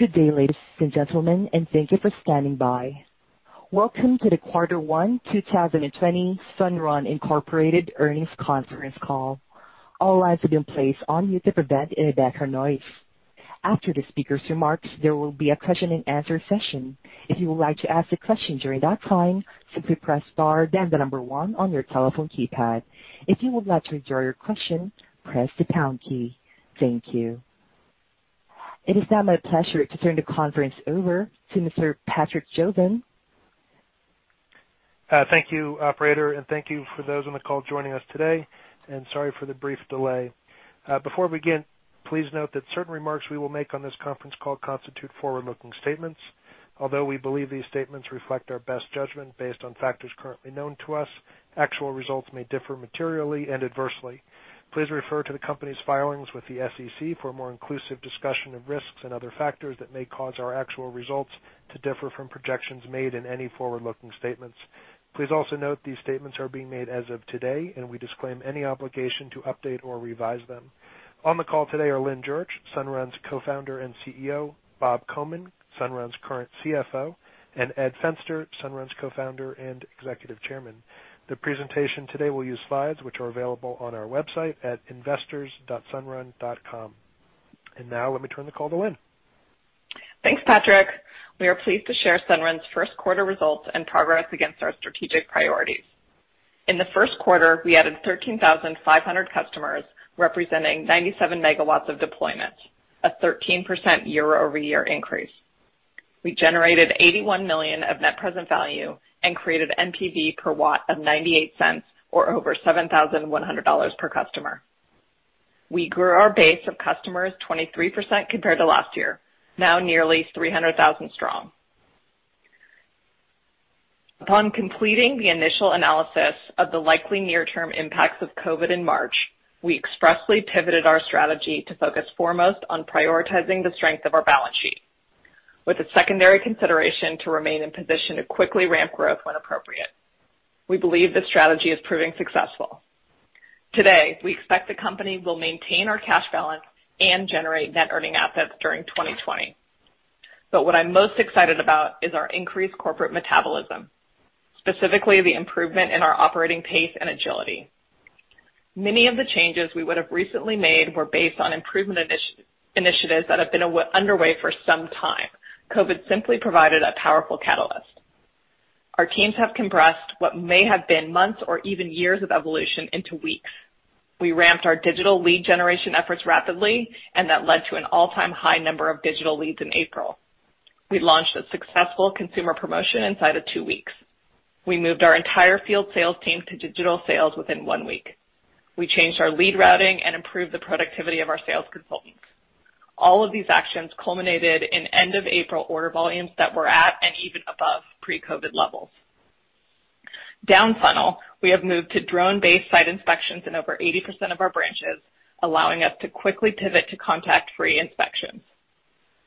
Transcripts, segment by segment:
Good day, ladies and gentlemen, and thank you for standing by. Welcome to the Quarter One 2020 Sunrun Incorporated Earnings Conference Call. All lines have been placed on mute to prevent any background noise. After the speaker's remarks, there will be a question and answer session. If you would like to ask a question during that time, simply press star then the number one on your telephone keypad. If you would like to withdraw your question, press the pound key. Thank you. It is now my pleasure to turn the conference over to Mr. Patrick Jobin. Thank you, operator, and thank you for those on the call joining us today, and sorry for the brief delay. Before we begin, please note that certain remarks we will make on this conference call constitute forward-looking statements. Although we believe these statements reflect our best judgment based on factors currently known to us, actual results may differ materially and adversely. Please refer to the company's filings with the SEC for a more inclusive discussion of risks and other factors that may cause our actual results to differ from projections made in any forward-looking statements. Please also note these statements are being made as of today, and we disclaim any obligation to update or revise them. On the call today are Lynn Jurich, Sunrun's Co-Founder and CEO, Bob Komin, Sunrun's current CFO, and Edward Fenster, Sunrun's Co-Founder and Executive Chairman. The presentation today will use slides which are available on our website at investors.sunrun.com. Now let me turn the call to Lynn. Thanks, Patrick. We are pleased to share Sunrun's first quarter results and progress against our strategic priorities. In the first quarter, we added 13,500 customers representing 97 MW of deployment, a 13% year-over-year increase. We generated $81 million of Net Present Value and created NPV per watt of $0.98 or over $7,100 per customer. We grew our base of customers 23% compared to last year, now nearly 300,000 strong. Upon completing the initial analysis of the likely near-term impacts of COVID in March, we expressly pivoted our strategy to focus foremost on prioritizing the strength of our balance sheet, with a secondary consideration to remain in position to quickly ramp growth when appropriate. We believe this strategy is proving successful. Today, we expect the company will maintain our cash balance and generate net earning assets during 2020. What I'm most excited about is our increased corporate metabolism, specifically the improvement in our operating pace and agility. Many of the changes we would've recently made were based on improvement initiatives that have been underway for some time. COVID simply provided a powerful catalyst. Our teams have compressed what may have been months or even years of evolution into weeks. We ramped our digital lead generation efforts rapidly, and that led to an all-time high number of digital leads in April. We launched a successful consumer promotion inside of two weeks. We moved our entire field sales team to digital sales within one week. We changed our lead routing and improved the productivity of our sales consultants. All of these actions culminated in end of April order volumes that were at and even above pre-COVID levels. Down funnel, we have moved to drone-based site inspections in over 80% of our branches, allowing us to quickly pivot to contact-free inspections.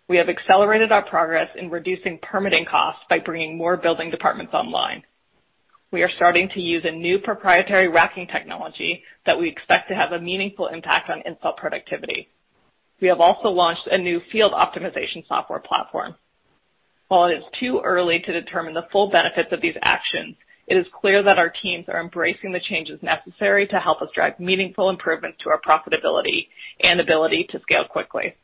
We have accelerated our progress in reducing permitting costs by bringing more building departments online. We are starting to use a new proprietary racking technology that we expect to have a meaningful impact on install productivity. We have also launched a new field optimization software platform. While it is too early to determine the full benefits of these actions, it is clear that our teams are embracing the changes necessary to help us drive meaningful improvements to our profitability and ability to scale quickly.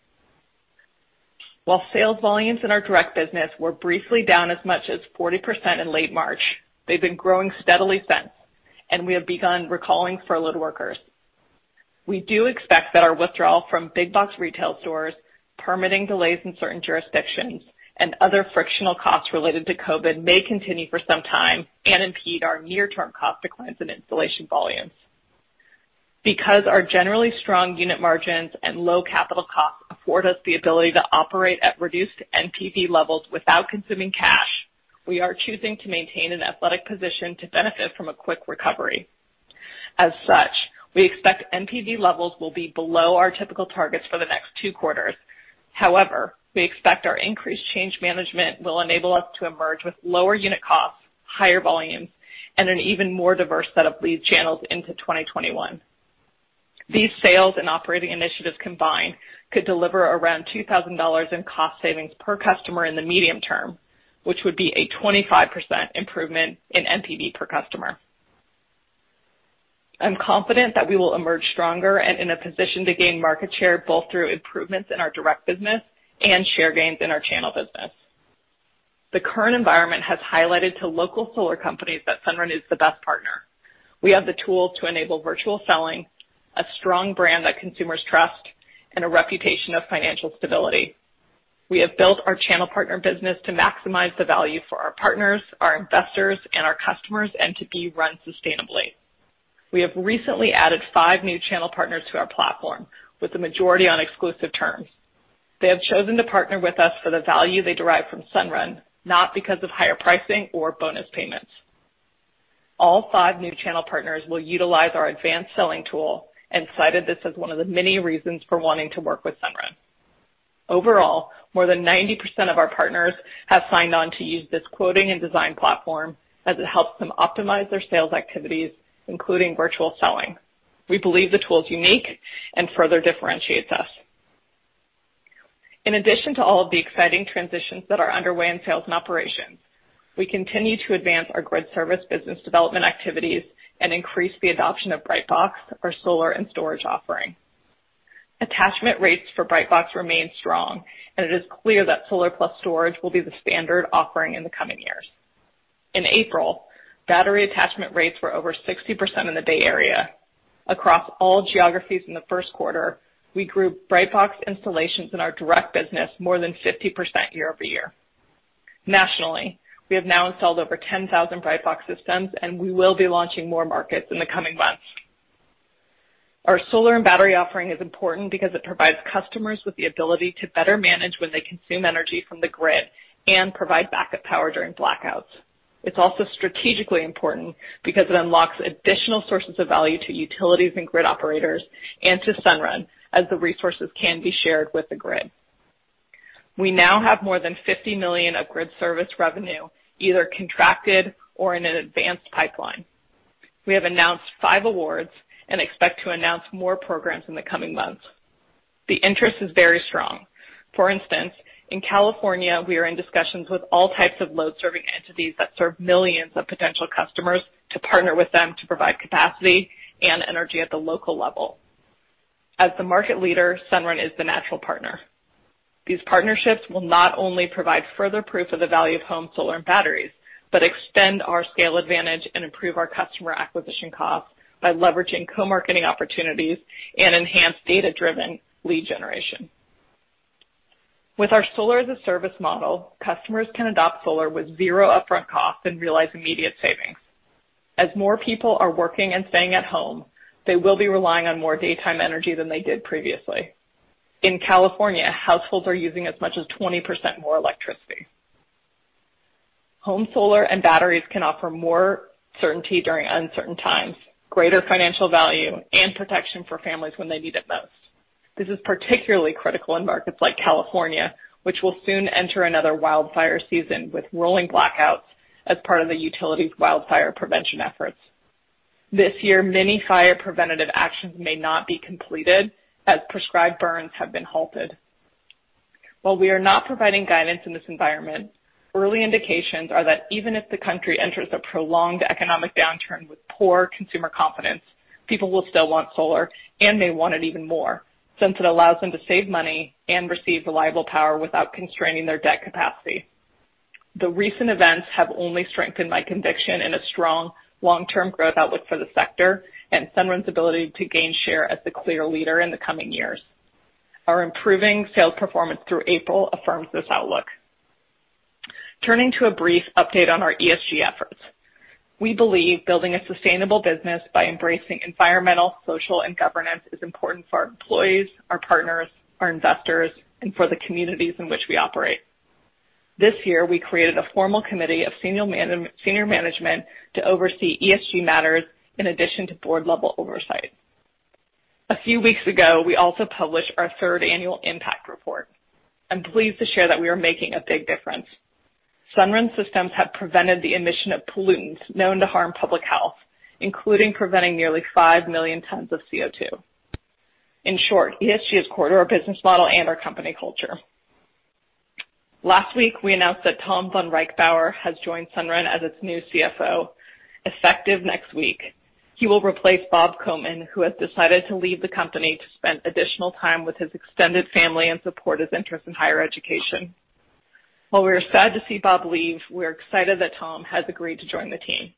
While sales volumes in our direct business were briefly down as much as 40% in late March, they've been growing steadily since, and we have begun recalling furloughed workers. We do expect that our withdrawal from big box retail stores, permitting delays in certain jurisdictions, and other frictional costs related to COVID may continue for some time and impede our near-term cost declines in installation volumes. Because our generally strong unit margins and low capital costs afford us the ability to operate at reduced NPV levels without consuming cash, we are choosing to maintain an athletic position to benefit from a quick recovery. As such, we expect NPV levels will be below our typical targets for the next two quarters. However, we expect our increased change management will enable us to emerge with lower unit costs, higher volumes, and an even more diverse set of lead channels into 2021. These sales and operating initiatives combined could deliver around $2,000 in cost savings per customer in the medium term, which would be a 25% improvement in NPV per customer. I'm confident that we will emerge stronger and in a position to gain market share both through improvements in our direct business and share gains in our channel business. The current environment has highlighted to local solar companies that Sunrun is the best partner. We have the tools to enable virtual selling, a strong brand that consumers trust, and a reputation of financial stability. We have built our channel partner business to maximize the value for our partners, our investors, and our customers, and to be run sustainably. We have recently added five new channel partners to our platform, with the majority on exclusive terms. They have chosen to partner with us for the value they derive from Sunrun, not because of higher pricing or bonus payments. All five new channel partners will utilize our advanced selling tool and cited this as one of the many reasons for wanting to work with Sunrun. Overall, more than 90% of our partners have signed on to use this quoting and design platform as it helps them optimize their sales activities, including virtual selling. We believe the tool is unique and further differentiates us. In addition to all of the exciting transitions that are underway in sales and operations, we continue to advance our grid service business development activities and increase the adoption of Brightbox, our solar and storage offering. Attachment rates for Brightbox remain strong, and it is clear that solar plus storage will be the standard offering in the coming years. In April, battery attachment rates were over 60% in the Bay Area. Across all geographies in the first quarter, we grew Brightbox installations in our direct business more than 50% year-over-year. Nationally, we have now installed over 10,000 Brightbox systems. We will be launching more markets in the coming months. Our solar and battery offering is important because it provides customers with the ability to better manage when they consume energy from the grid and provide backup power during blackouts. It's also strategically important because it unlocks additional sources of value to utilities and grid operators and to Sunrun as the resources can be shared with the grid. We now have more than $50 million of grid service revenue either contracted or in an advanced pipeline. We have announced five awards and expect to announce more programs in the coming months. The interest is very strong. For instance, in California, we are in discussions with all types of load-serving entities that serve millions of potential customers to partner with them to provide capacity and energy at the local level. As the market leader, Sunrun is the natural partner. These partnerships will not only provide further proof of the value of home solar and batteries, but extend our scale advantage and improve our customer acquisition costs by leveraging co-marketing opportunities and enhance data-driven lead generation. With our solar as a service model, customers can adopt solar with zero upfront costs and realize immediate savings. As more people are working and staying at home, they will be relying on more daytime energy than they did previously. In California, households are using as much as 20% more electricity. Home solar and batteries can offer more certainty during uncertain times, greater financial value, and protection for families when they need it most. This is particularly critical in markets like California, which will soon enter another wildfire season with rolling blackouts as part of the utility's wildfire prevention efforts. This year, many fire preventative actions may not be completed as prescribed burns have been halted. While we are not providing guidance in this environment, early indications are that even if the country enters a prolonged economic downturn with poor consumer confidence, people will still want solar, and may want it even more, since it allows them to save money and receive reliable power without constraining their debt capacity. The recent events have only strengthened my conviction in a strong long-term growth outlook for the sector and Sunrun's ability to gain share as the clear leader in the coming years. Our improving sales performance through April affirms this outlook. Turning to a brief update on our ESG efforts. We believe building a sustainable business by embracing environmental, social, and governance is important for our employees, our partners, our investors, and for the communities in which we operate. This year, we created a formal committee of senior management to oversee ESG matters in addition to board-level oversight. A few weeks ago, we also published our third annual impact report. I'm pleased to share that we are making a big difference. Sunrun systems have prevented the emission of pollutants known to harm public health, including preventing nearly 5 million tons of CO2. In short, ESG is core to our business model and our company culture. Last week, we announced that Tom vonReichbauer has joined Sunrun as its new CFO, effective next week. He will replace Bob Komin, who has decided to leave the company to spend additional time with his extended family and support his interest in higher education. While we are sad to see Bob leave, we're excited that Tom has agreed to join the team.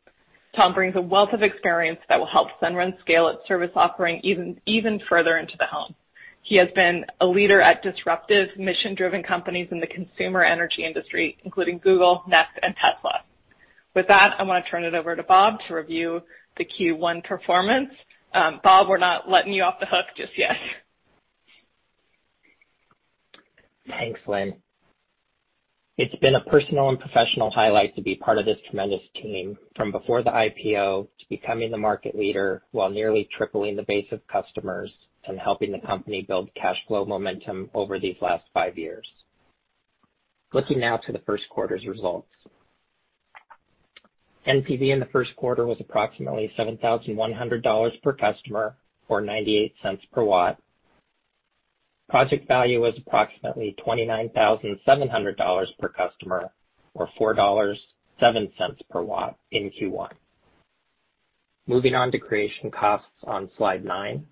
Tom brings a wealth of experience that will help Sunrun scale its service offering even further into the home. He has been a leader at disruptive mission-driven companies in the consumer energy industry, including Google, Nest, and Tesla. With that, I want to turn it over to Bob to review the Q1 performance. Bob, we're not letting you off the hook just yet. Thanks, Lynn. It's been a personal and professional highlight to be part of this tremendous team, from before the IPO to becoming the market leader while nearly tripling the base of customers and helping the company build cash flow momentum over these last five years. Looking now to the first quarter's results. NPV in the first quarter was approximately $7,100 per customer or $0.98 per watt. Project value was approximately $29,700 per customer, or $4.07 per watt in Q1. Moving on to creation costs on slide nine.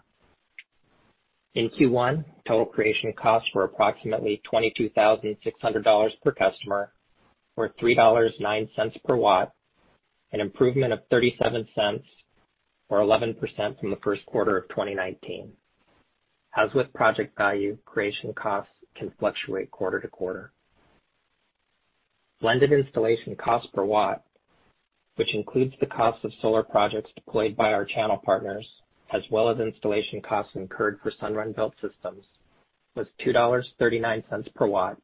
In Q1, total creation costs were approximately $22,600 per customer or $3.09 per watt, an improvement of $0.37 or 11% from the first quarter of 2019. As with project value, creation costs can fluctuate quarter to quarter. Blended installation cost per watt, which includes the cost of solar projects deployed by our channel partners, as well as installation costs incurred for Sunrun-built systems, was $2.39 per watt,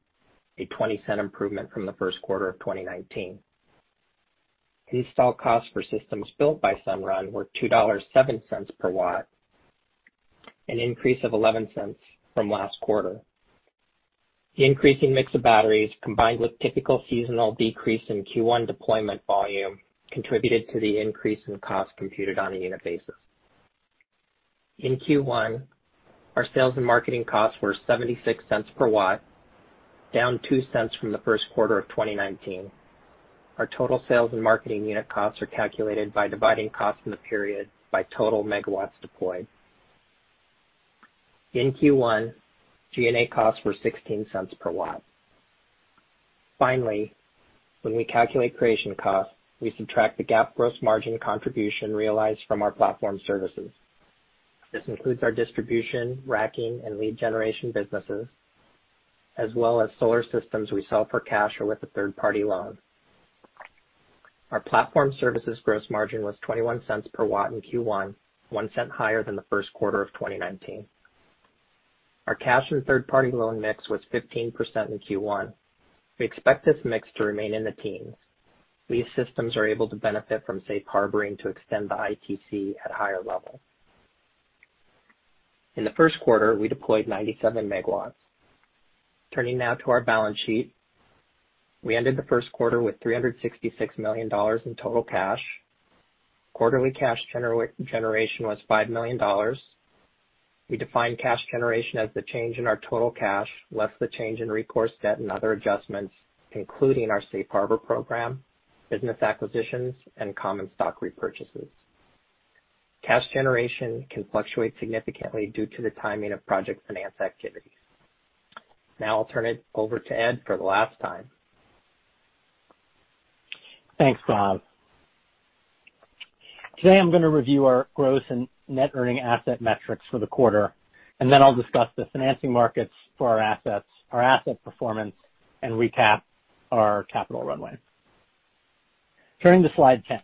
a $0.20 improvement from the first quarter of 2019. Install costs for systems built by Sunrun were $2.07 per watt, an increase of $0.11 from last quarter. The increasing mix of batteries, combined with typical seasonal decrease in Q1 deployment volume, contributed to the increase in cost computed on a unit basis. In Q1, our sales and marketing costs were $0.76 per watt, down $0.02 from the first quarter of 2019. Our total sales and marketing unit costs are calculated by dividing costs in the period by total megawatts deployed. In Q1, G&A costs were $0.16 per watt. Finally, when we calculate creation costs, we subtract the GAAP gross margin contribution realized from our platform services. This includes our distribution, racking, and lead generation businesses, as well as solar systems we sell for cash or with a third-party loan. Our platform services gross margin was $0.21 per watt in Q1, $0.01 higher than the first quarter of 2019. Our cash and third-party loan mix was 15% in Q1. We expect this mix to remain in the teens. These systems are able to benefit from safe harboring to extend the ITC at a higher level. In the first quarter, we deployed 97 MW. Turning now to our balance sheet. We ended the first quarter with $366 million in total cash. Quarterly cash generation was $5 million. We define cash generation as the change in our total cash less the change in recourse debt and other adjustments, including our safe harbor program, business acquisitions, and common stock repurchases. Cash generation can fluctuate significantly due to the timing of project finance activities. Now I'll turn it over to Ed for the last time. Thanks, Bob. Today I'm going to review our gross and net earning asset metrics for the quarter, and then I'll discuss the financing markets for our assets, our asset performance, and recap our capital runway. Turning to slide 10.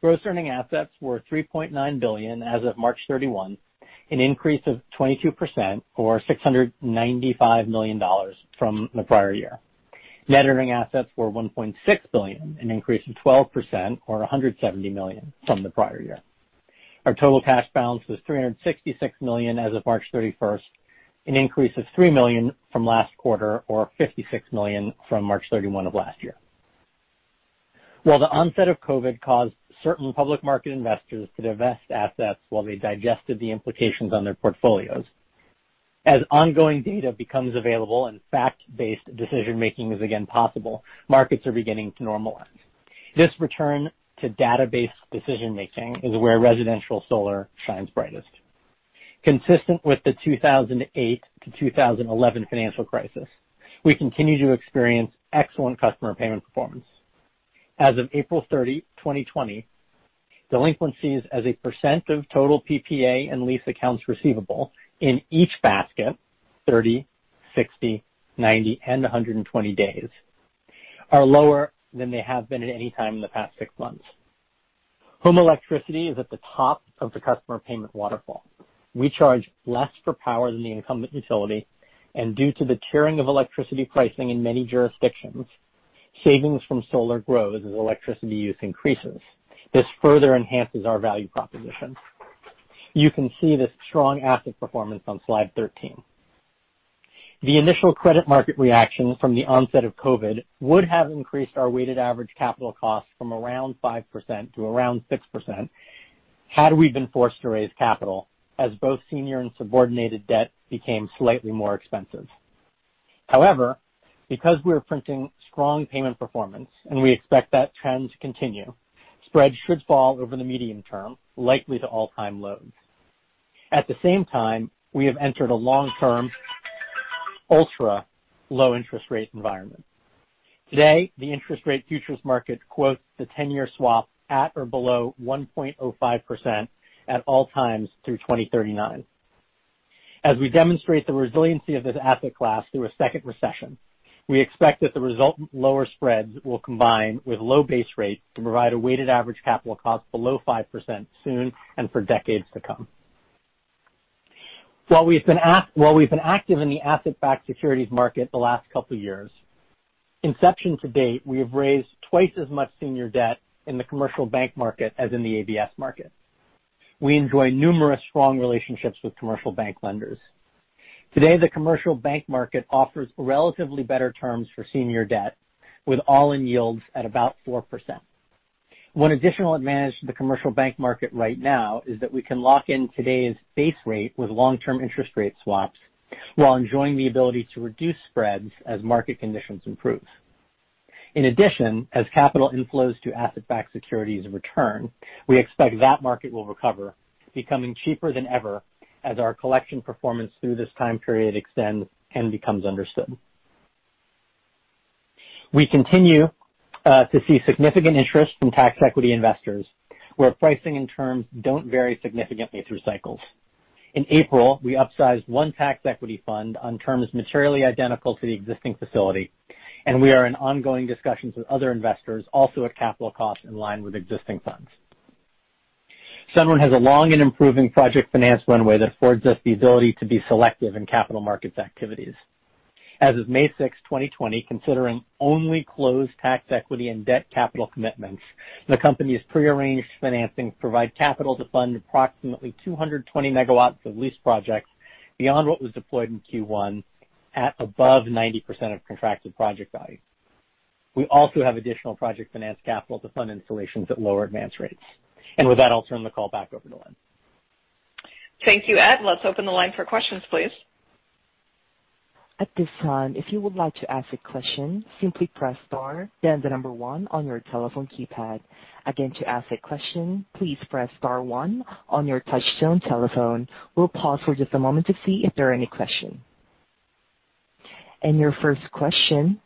Gross earning assets were $3.9 billion as of March 31, an increase of 22% or $695 million from the prior year. Net earning assets were $1.6 billion, an increase of 12% or $170 million from the prior year. Our total cash balance was $366 million as of March 31st, an increase of $3 million from last quarter or $56 million from March 31 of last year. While the onset of COVID caused certain public market investors to divest assets while they digested the implications on their portfolios, as ongoing data becomes available and fact-based decision-making is again possible, markets are beginning to normalize. This return to database decision-making is where residential solar shines brightest. Consistent with the 2008 to 2011 financial crisis, we continue to experience excellent customer payment performance. As of April 30, 2020, delinquencies as a percent of total PPA and lease accounts receivable in each basket, 30, 60, 90, and 120 days, are lower than they have been at any time in the past six months. Home electricity is at the top of the customer payment waterfall. We charge less for power than the incumbent utility, and due to the tiering of electricity pricing in many jurisdictions, savings from solar grows as electricity use increases. This further enhances our value proposition. You can see this strong asset performance on slide 13. The initial credit market reaction from the onset of COVID would have increased our weighted average capital cost from around 5% to around 6% had we been forced to raise capital, as both senior and subordinated debt became slightly more expensive. However, because we're printing strong payment performance and we expect that trend to continue, spreads should fall over the medium term, likely to all-time lows. At the same time, we have entered a long-term ultra low interest rate environment. Today, the interest rate futures market quotes the 10-year swap at or below 1.05% at all times through 2039. As we demonstrate the resiliency of this asset class through a second recession, we expect that the resultant lower spreads will combine with low base rates to provide a weighted average capital cost below 5% soon and for decades to come. While we've been active in the asset-backed securities market the last couple years, inception to date, we have raised twice as much senior debt in the commercial bank market as in the ABS market. We enjoy numerous strong relationships with commercial bank lenders. Today, the commercial bank market offers relatively better terms for senior debt with all-in yields at about 4%. One additional advantage to the commercial bank market right now is that we can lock in today's base rate with long-term interest rate swaps while enjoying the ability to reduce spreads as market conditions improve. In addition, as capital inflows to asset-backed securities return, we expect that market will recover, becoming cheaper than ever as our collection performance through this time period extends and becomes understood. We continue to see significant interest from tax equity investors, where pricing and terms don't vary significantly through cycles. In April, we upsized one tax equity fund on terms materially identical to the existing facility, and we are in ongoing discussions with other investors, also at capital cost in line with existing funds. Sunrun has a long and improving project finance runway that affords us the ability to be selective in capital markets activities. As of May 6, 2020, considering only closed tax equity and debt capital commitments, the company's prearranged financings provide capital to fund approximately 220 MW of lease projects beyond what was deployed in Q1 at above 90% of contracted project value. We also have additional project finance capital to fund installations at lower advance rates. With that, I'll turn the call back over to Lynn. Thank you, Ed. Let's open the line for questions, please. At this time, if you would like to ask a question, simply press star then the number one on your telephone keypad. Again, to ask a question, please press star one on your touchtone telephone. We'll pause for just a moment to see if there are any question. Your first question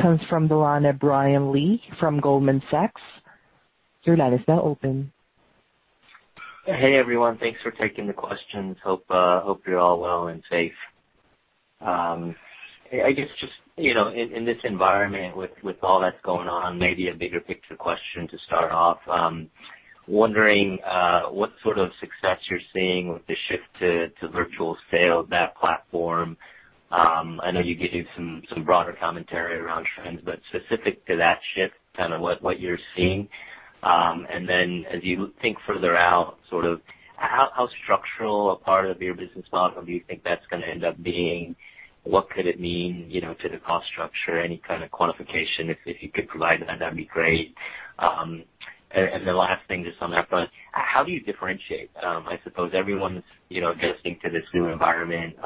comes from the line of Brian Lee from Goldman Sachs. Your line is now open. Hey, everyone. Thanks for taking the questions. Hope you're all well and safe. I guess just in this environment with all that's going on, maybe a bigger picture question to start off. I'm wondering what sort of success you're seeing with the shift to virtual sale, that platform. I know you gave some broader commentary around trends, but specific to that shift, what you're seeing. Then as you think further out, how structural a part of your business model do you think that's going to end up being? What could it mean to the cost structure? Any kind of quantification if you could provide that'd be great. The last thing, just on that front, how do you differentiate? I suppose everyone's adjusting to this new environment,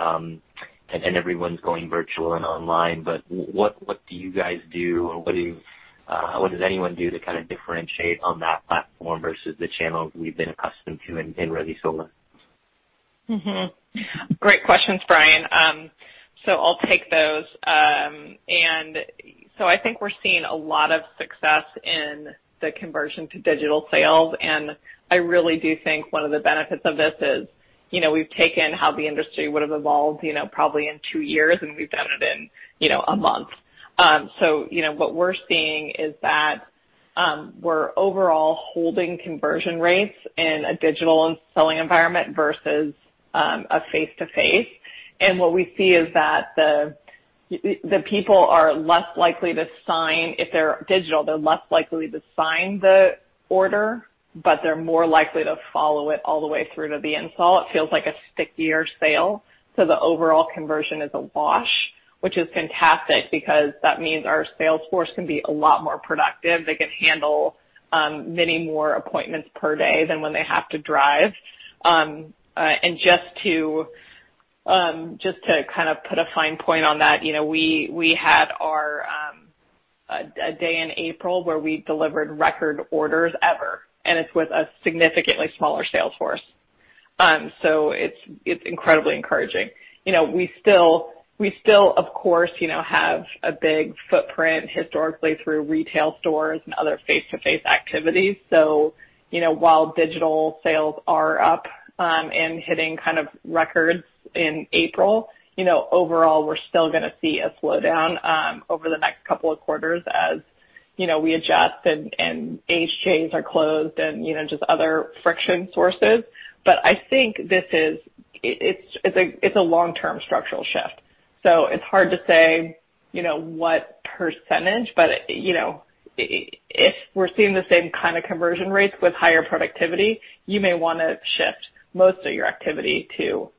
everyone's going virtual and online, what do you guys do, or what does anyone do to differentiate on that platform versus the channel we've been accustomed to in [resi solar]? Great questions, Brian. I'll take those. I think we're seeing a lot of success in the conversion to digital sales, and I really do think one of the benefits of this is we've taken how the industry would've evolved probably in two years, and we've done it in a month. What we're seeing is that we're overall holding conversion rates in a digital selling environment versus a face-to-face. What we see is that the people are less likely to sign if they're digital. They're less likely to sign the order, but they're more likely to follow it all the way through to the install. It feels like a stickier sale. The overall conversion is a wash, which is fantastic because that means our sales force can be a lot more productive. They can handle many more appointments per day than when they have to drive. Just to put a fine point on that, we had a day in April where we delivered record orders ever, and it's with a significantly smaller sales force. It's incredibly encouraging. We still, of course, have a big footprint historically through retail stores and other face-to-face activities. While digital sales are up and hitting records in April, overall, we're still going to see a slowdown over the next couple of quarters as we adjust and AHJs are closed and just other friction sources. I think it's a long-term structural shift. It's hard to say what percentage, but if we're seeing the same kind of conversion rates with higher productivity, you may want to shift most of your activity to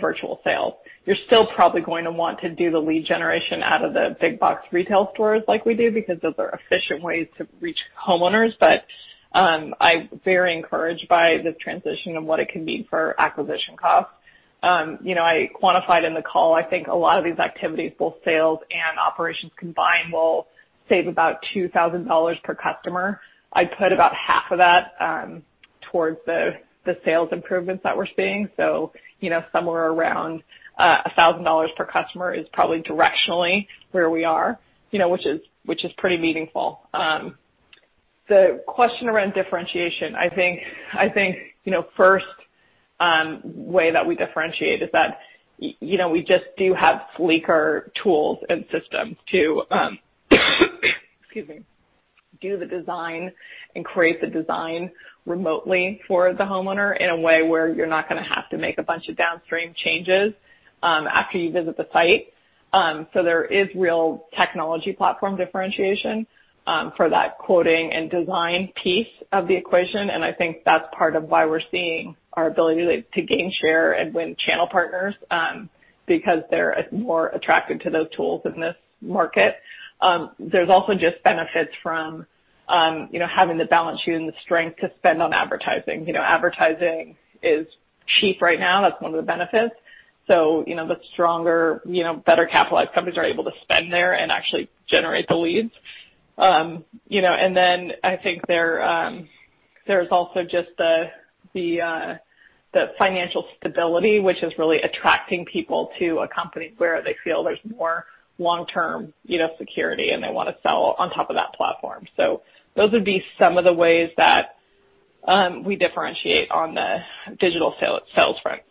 virtual sales. You're still probably going to want to do the lead generation out of the big box retail stores like we do because those are efficient ways to reach homeowners. I'm very encouraged by this transition and what it can mean for acquisition costs. I quantified in the call, I think a lot of these activities, both sales and operations combined, will save about $2,000 per customer. I'd put about half of that towards the sales improvements that we're seeing. Somewhere around $1,000 per customer is probably directionally where we are, which is pretty meaningful. The question around differentiation, I think first way that we differentiate is that we just do have sleeker tools and systems to excuse me, do the design and create the design remotely for the homeowner in a way where you're not going to have to make a bunch of downstream changes after you visit the site. There is real technology platform differentiation for that quoting and design piece of the equation, and I think that's part of why we're seeing our ability to gain share and win channel partners because they're more attracted to those tools in this market. There's also just benefits from having the balance sheet and the strength to spend on advertising. Advertising is cheap right now. That's one of the benefits. The stronger, better-capitalized companies are able to spend there and actually generate the leads. I think there's also just the financial stability, which is really attracting people to a company where they feel there's more long-term security, and they want to sell on top of that platform. Those would be some of the ways that we differentiate on the digital sales front.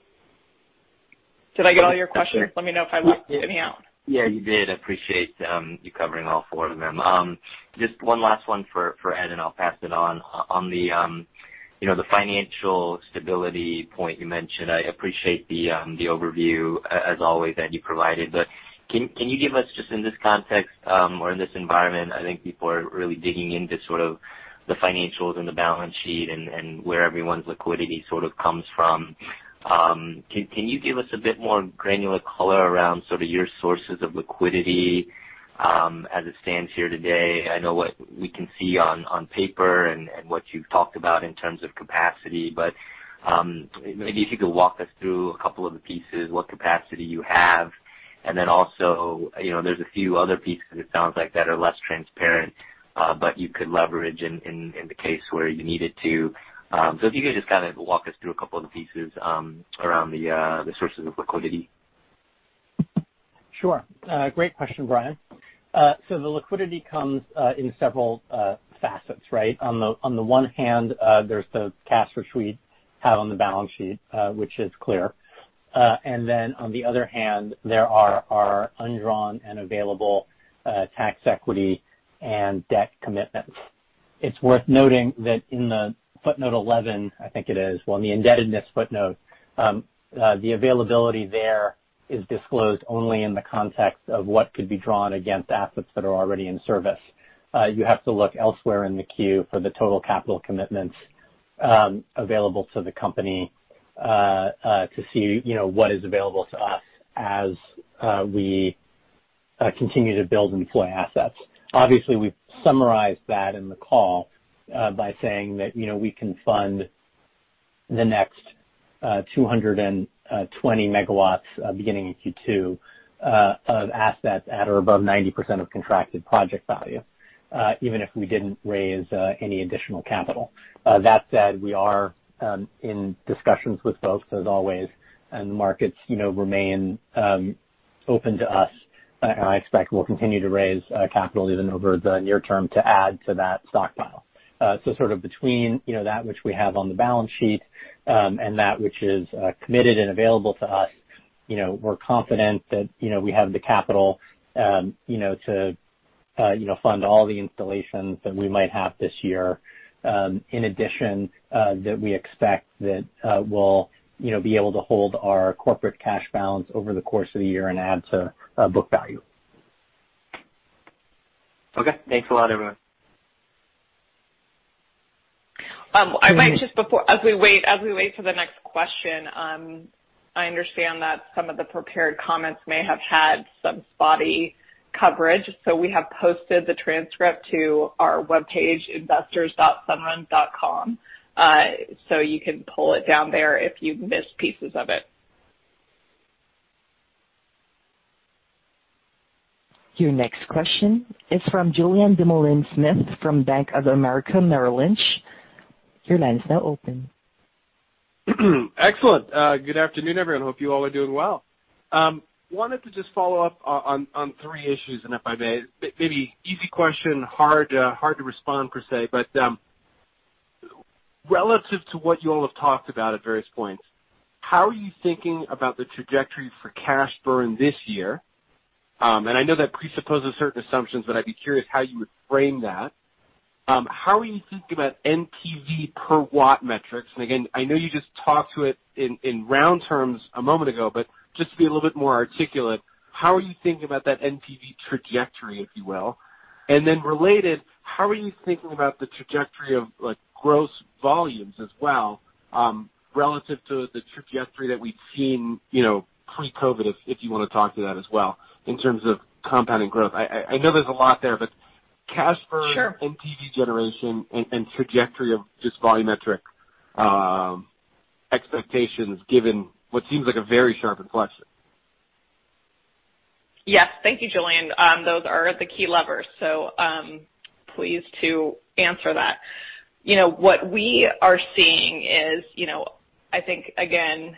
Did I get all your questions? Let me know if I left any out. Yeah, you did. I appreciate you covering all four of them. Just one last one for Ed. I'll pass it on. On the financial stability point you mentioned, I appreciate the overview as always that you provided. Can you give us just in this context or in this environment, I think before really digging into sort of the financials and the balance sheet and where everyone's liquidity sort of comes from. Can you give us a bit more granular color around sort of your sources of liquidity as it stands here today? I know what we can see on paper and what you've talked about in terms of capacity. Maybe if you could walk us through a couple of the pieces, what capacity you have, and then also, there's a few other pieces it sounds like that are less transparent, but you could leverage in the case where you needed to. If you could just walk us through a couple of the pieces around the sources of liquidity. Sure. Great question, Brian. The liquidity comes in several facets, right? On the one hand, there's the cash which we have on the balance sheet, which is clear. On the other hand, there are our undrawn and available tax equity and debt commitments. It's worth noting that in the footnote 11, I think it is. Well, in the indebtedness footnote, the availability there is disclosed only in the context of what could be drawn against assets that are already in service. You have to look elsewhere in the Q for the total capital commitments available to the company to see what is available to us as we continue to build and deploy assets. Obviously, we've summarized that in the call by saying that we can fund the next 220 MW beginning in Q2 of assets at or above 90% of contracted project value even if we didn't raise any additional capital. That said, we are in discussions with folks as always, and the markets remain open to us. I expect we'll continue to raise capital even over the near term to add to that stockpile. Sort of between that which we have on the balance sheet, and that which is committed and available to us, we're confident that we have the capital to fund all the installations that we might have this year. In addition, that we expect that we'll be able to hold our corporate cash balance over the course of the year and add to book value. Okay. Thanks a lot, everyone. As we wait for the next question, I understand that some of the prepared comments may have had some spotty coverage. We have posted the transcript to our webpage, investors.sunrun.com. You can pull it down there if you've missed pieces of it. Your next question is from Julien Dumoulin-Smith from Bank of America Merrill Lynch. Your line is now open. Excellent. Good afternoon, everyone. Hope you all are doing well. Wanted to just follow up on three issues, if I may. Maybe easy question, hard to respond per se, but relative to what you all have talked about at various points, how are you thinking about the trajectory for cash burn this year? I know that presupposes certain assumptions, but I'd be curious how you would frame that. How are you thinking about NPV per watt metrics? Again, I know you just talked to it in round terms a moment ago, but just to be a little bit more articulate, how are you thinking about that NPV trajectory, if you will? Related, how are you thinking about the trajectory of gross volumes as well, relative to the trajectory that we've seen pre-COVID, if you want to talk to that as well, in terms of compounding growth. I know there's a lot there, but cash burn? Sure NPV generation and trajectory of just volumetric expectations given what seems like a very sharp inflection. Yes. Thank you, Julien. Those are the key levers. Pleased to answer that. What we are seeing is, I think, again,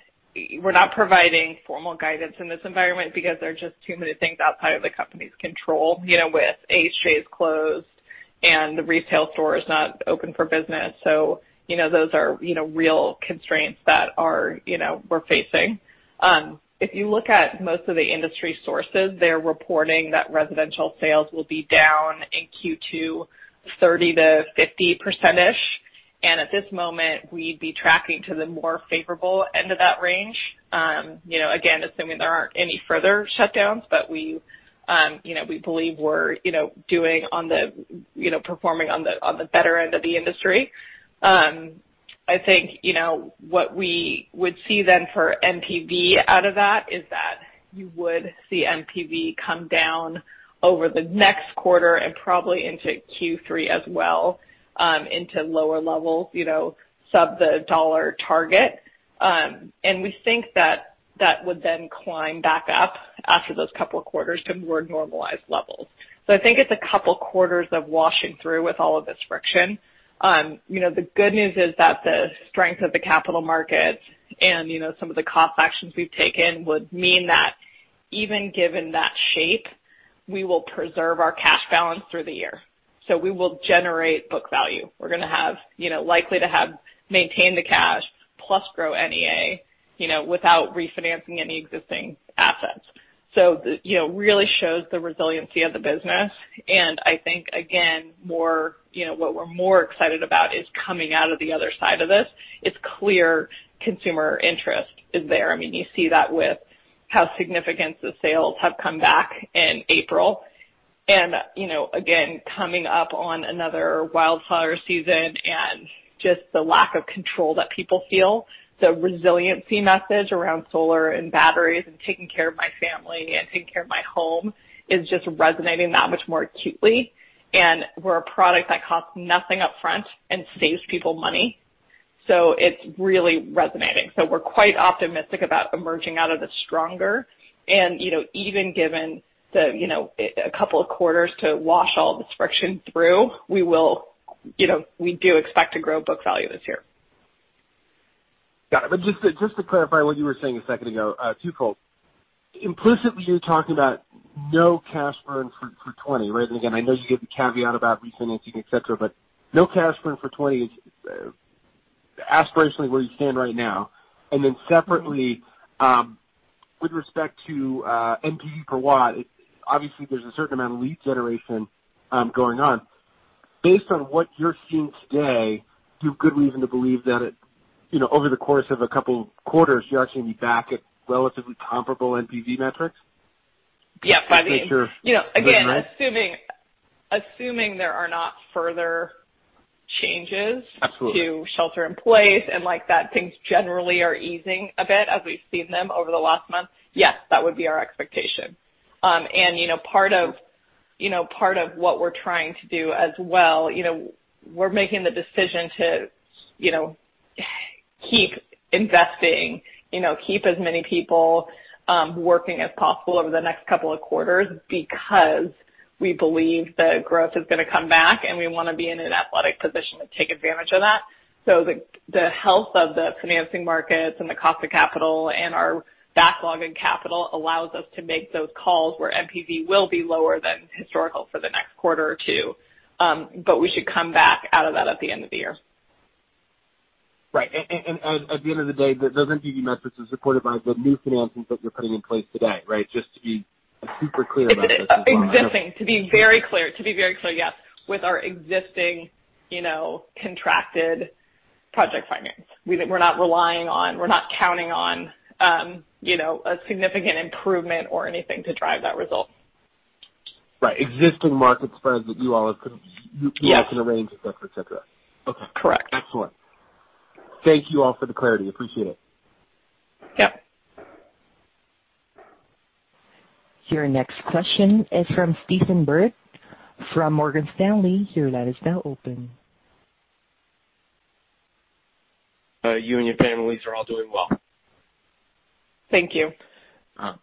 we're not providing formal guidance in this environment because there are just too many things outside of the company's control, with AHJs closed and the retail stores not open for business. Those are real constraints that we're facing. If you look at most of the industry sources, they're reporting that residential sales will be down in Q2 30%-50%-ish. At this moment, we'd be tracking to the more favorable end of that range. Again, assuming there aren't any further shutdowns, but we believe we're performing on the better end of the industry. I think, what we would see then for NPV out of that is that you would see NPV come down over the next quarter and probably into Q3 as well, into lower levels, sub the dollar target. We think that would then climb back up after those couple of quarters to more normalized levels. I think it's a couple quarters of washing through with all of this friction. The good news is that the strength of the capital markets and some of the cost actions we've taken would mean that even given that shape, we will preserve our cash balance through the year. We will generate book value. We're going to likely to maintain the cash plus grow NEA, without refinancing any existing assets. It really shows the resiliency of the business, and I think again what we're more excited about is coming out of the other side of this. It's clear consumer interest is there. You see that with how significant the sales have come back in April. Again, coming up on another wildfire season and just the lack of control that people feel, the resiliency message around solar and batteries and taking care of my family and taking care of my home is just resonating that much more acutely. We're a product that costs nothing upfront and saves people money. It's really resonating. We're quite optimistic about emerging out of it stronger and even given a couple of quarters to wash all this friction through, we do expect to grow book value this year. Got it. Just to clarify what you were saying a second ago, twofold. Implicitly, you're talking about no cash burn for 2020, right? Again, I know you gave the caveat about refinancing, et cetera, but no cash burn for 2020 is aspirationally where you stand right now. Separately, with respect to NPV per watt, obviously there's a certain amount of lead generation going on. Based on what you're seeing today, do you have good reason to believe that over the course of a couple of quarters, you're actually going to be back at relatively comparable NPV metrics? Yeah. Make sure I'm reading that. Again, assuming there are not further changes— Absolutely to shelter in place and like that, things generally are easing a bit as we've seen them over the last month. Yes, that would be our expectation. Part of what we're trying to do as well, we're making the decision to keep investing, keep as many people working as possible over the next couple of quarters because we believe that growth is going to come back, and we want to be in an athletic position to take advantage of that. The health of the financing markets and the cost of capital and our backlog in capital allows us to make those calls where NPV will be lower than historical for the next quarter or two. We should come back out of that at the end of the year. Right. At the end of the day, those NPV metrics are supported by the new financings that you're putting in place today, right? Just to be super clear about this as well. Existing. To be very clear, yes. With our existing contracted project finance, we're not counting on a significant improvement or anything to drive that result. Right. Existing market spreads that you all have- Yes you all can arrange, et cetera. Okay. Correct. Excellent. Thank you all for the clarity. Appreciate it. Yep. Your next question is from Stephen Byrd from Morgan Stanley. Your line is now open. You and your families are all doing well. Thank you.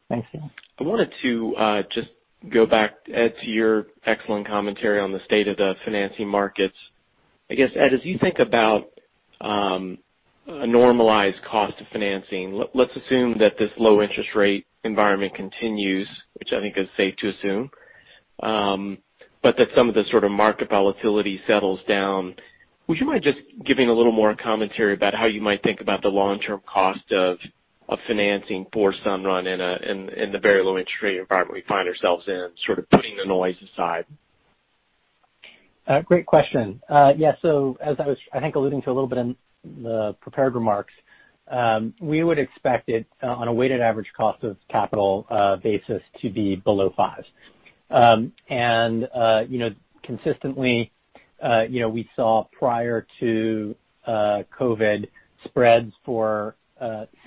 Thank you. I wanted to just go back, Ed, to your excellent commentary on the state of the financing markets. I guess, Ed, as you think about a normalized cost of financing, let's assume that this low interest rate environment continues, which I think is safe to assume, but that some of the sort of market volatility settles down. Would you mind just giving a little more commentary about how you might think about the long-term cost of financing for Sunrun in the very low interest rate environment we find ourselves in, sort of putting the noise aside? Great question. Yeah. As I was, I think, alluding to a little bit in the prepared remarks, we would expect it on a weighted average cost of capital basis to be below five. Consistently we saw prior to COVID spreads for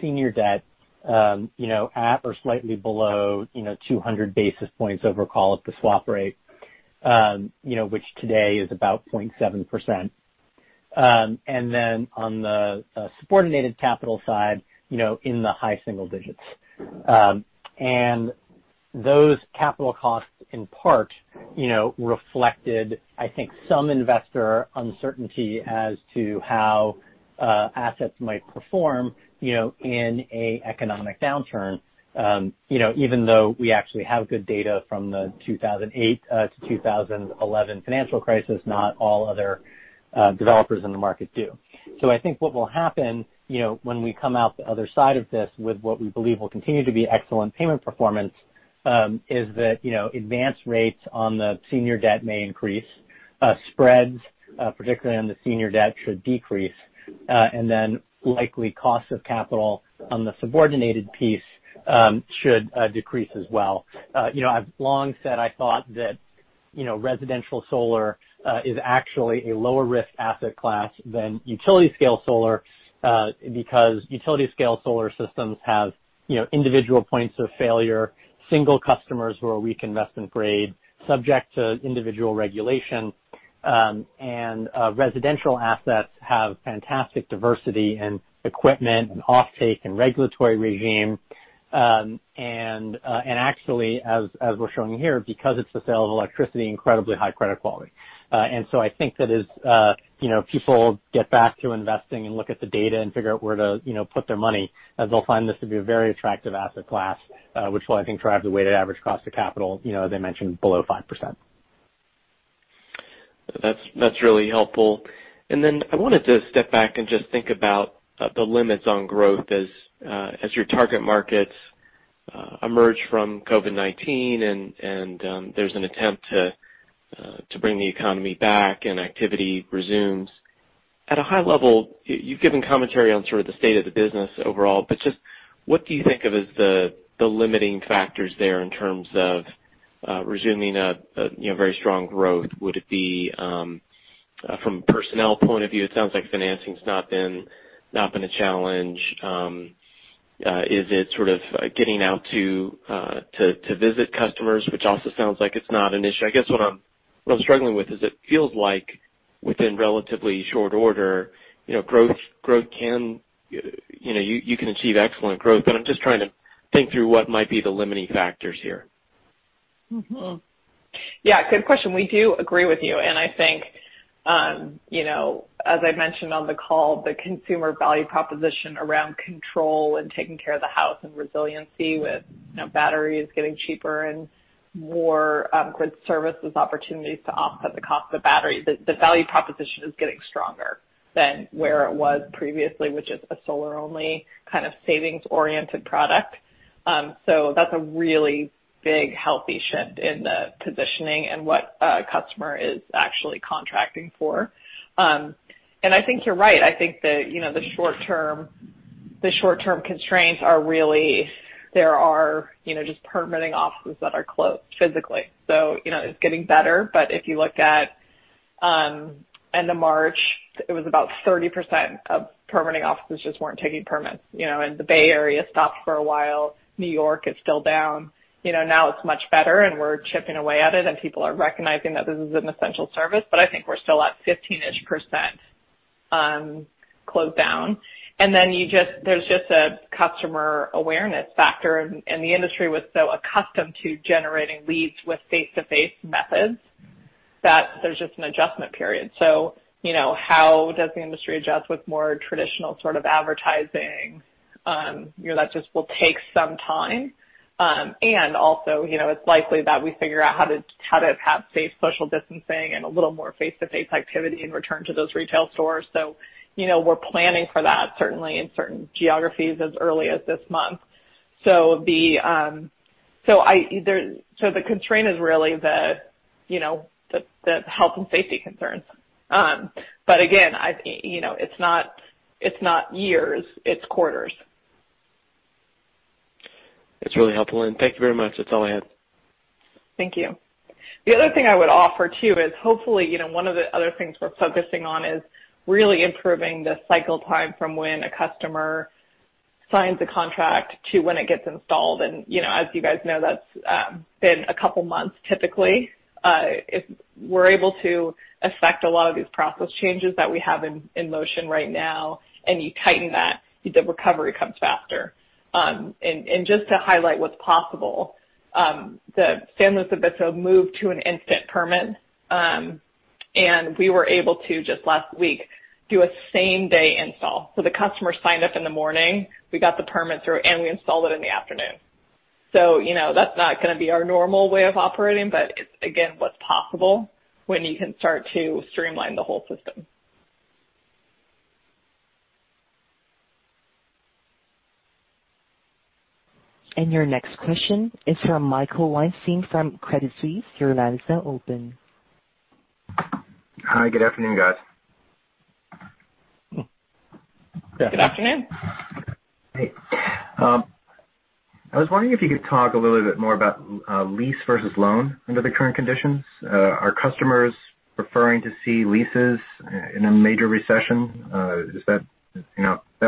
senior debt at or slightly below 200 basis points over call it the swap rate which today is about 0.7%. On the subordinated capital side in the high single digits. Those capital costs in part reflected, I think, some investor uncertainty as to how assets might perform in an economic downturn. Even though we actually have good data from the 2008 to 2011 financial crisis, not all other developers in the market do. I think what will happen when we come out the other side of this with what we believe will continue to be excellent payment performance, is that advanced rates on the senior debt may increase. Spreads, particularly on the senior debt, should decrease. Then likely cost of capital on the subordinated piece should decrease as well. I've long said I thought that residential solar is actually a lower risk asset class than utility scale solar, because utility scale solar systems have individual points of failure, single customers who are weak investment grade, subject to individual regulation. Residential assets have fantastic diversity in equipment and offtake and regulatory regime. Actually as we're showing here, because it's the sale of electricity, incredibly high credit quality. I think that as people get back to investing and look at the data and figure out where to put their money, they'll find this to be a very attractive asset class, which will, I think, drive the weighted average cost of capital as I mentioned below 5%. That's really helpful. I wanted to step back and just think about the limits on growth as your target markets emerge from COVID-19 and there's an attempt to bring the economy back and activity resumes. At a high level, you've given commentary on sort of the state of the business overall, what do you think of as the limiting factors there in terms of resuming a very strong growth? Would it be from a personnel point of view? It sounds like financing's not been a challenge. Is it sort of getting out to visit customers, which also sounds like it's not an issue. What I'm struggling with is it feels like within relatively short order, you can achieve excellent growth. I'm just trying to think through what might be the limiting factors here. Yeah, good question. We do agree with you. I think as I mentioned on the call, the consumer value proposition around control and taking care of the house and resiliency with batteries getting cheaper and more grid services opportunities to offset the cost of the battery. The value proposition is getting stronger than where it was previously, which is a solar-only kind of savings-oriented product. That's a really big, healthy shift in the positioning and what a customer is actually contracting for. I think you're right. I think the short-term constraints are really there are just permitting offices that are closed physically. It's getting better. If you look at end of March, it was about 30% of permitting offices just weren't taking permits. The Bay Area stopped for a while. New York is still down. Now it's much better. We're chipping away at it, and people are recognizing that this is an essential service. I think we're still at 15-ish% closed down. There's just a customer awareness factor. The industry was so accustomed to generating leads with face-to-face methods that there's just an adjustment period. How does the industry adjust with more traditional sort of advertising? That just will take some time. Also, it's likely that we figure out how to have safe social distancing and a little more face-to-face activity and return to those retail stores. We're planning for that certainly in certain geographies as early as this month. The constraint is really the health and safety concerns. Again, it's not years, it's quarters. It's really helpful, and thank you very much. That's all I had. Thank you. The other thing I would offer, too, is hopefully one of the other things we're focusing on is really improving the cycle time from when a customer signs a contract to when it gets installed. As you guys know, that's been a couple of months, typically. If we're able to effect a lot of these process changes that we have in motion right now, and you tighten that, the recovery comes faster. Just to highlight what's possible, San Luis Obispo moved to an instant permit. We were able to just last week do a same-day install. The customer signed up in the morning, we got the permit through, and we installed it in the afternoon. That's not going to be our normal way of operating. It's again what's possible when you can start to streamline the whole system. Your next question is from Michael Weinstein from Credit Suisse. Your line is now open. Hi, good afternoon, guys. Good afternoon. Hey. I was wondering if you could talk a little bit more about lease versus loan under the current conditions. Are customers preferring to see leases in a major recession? That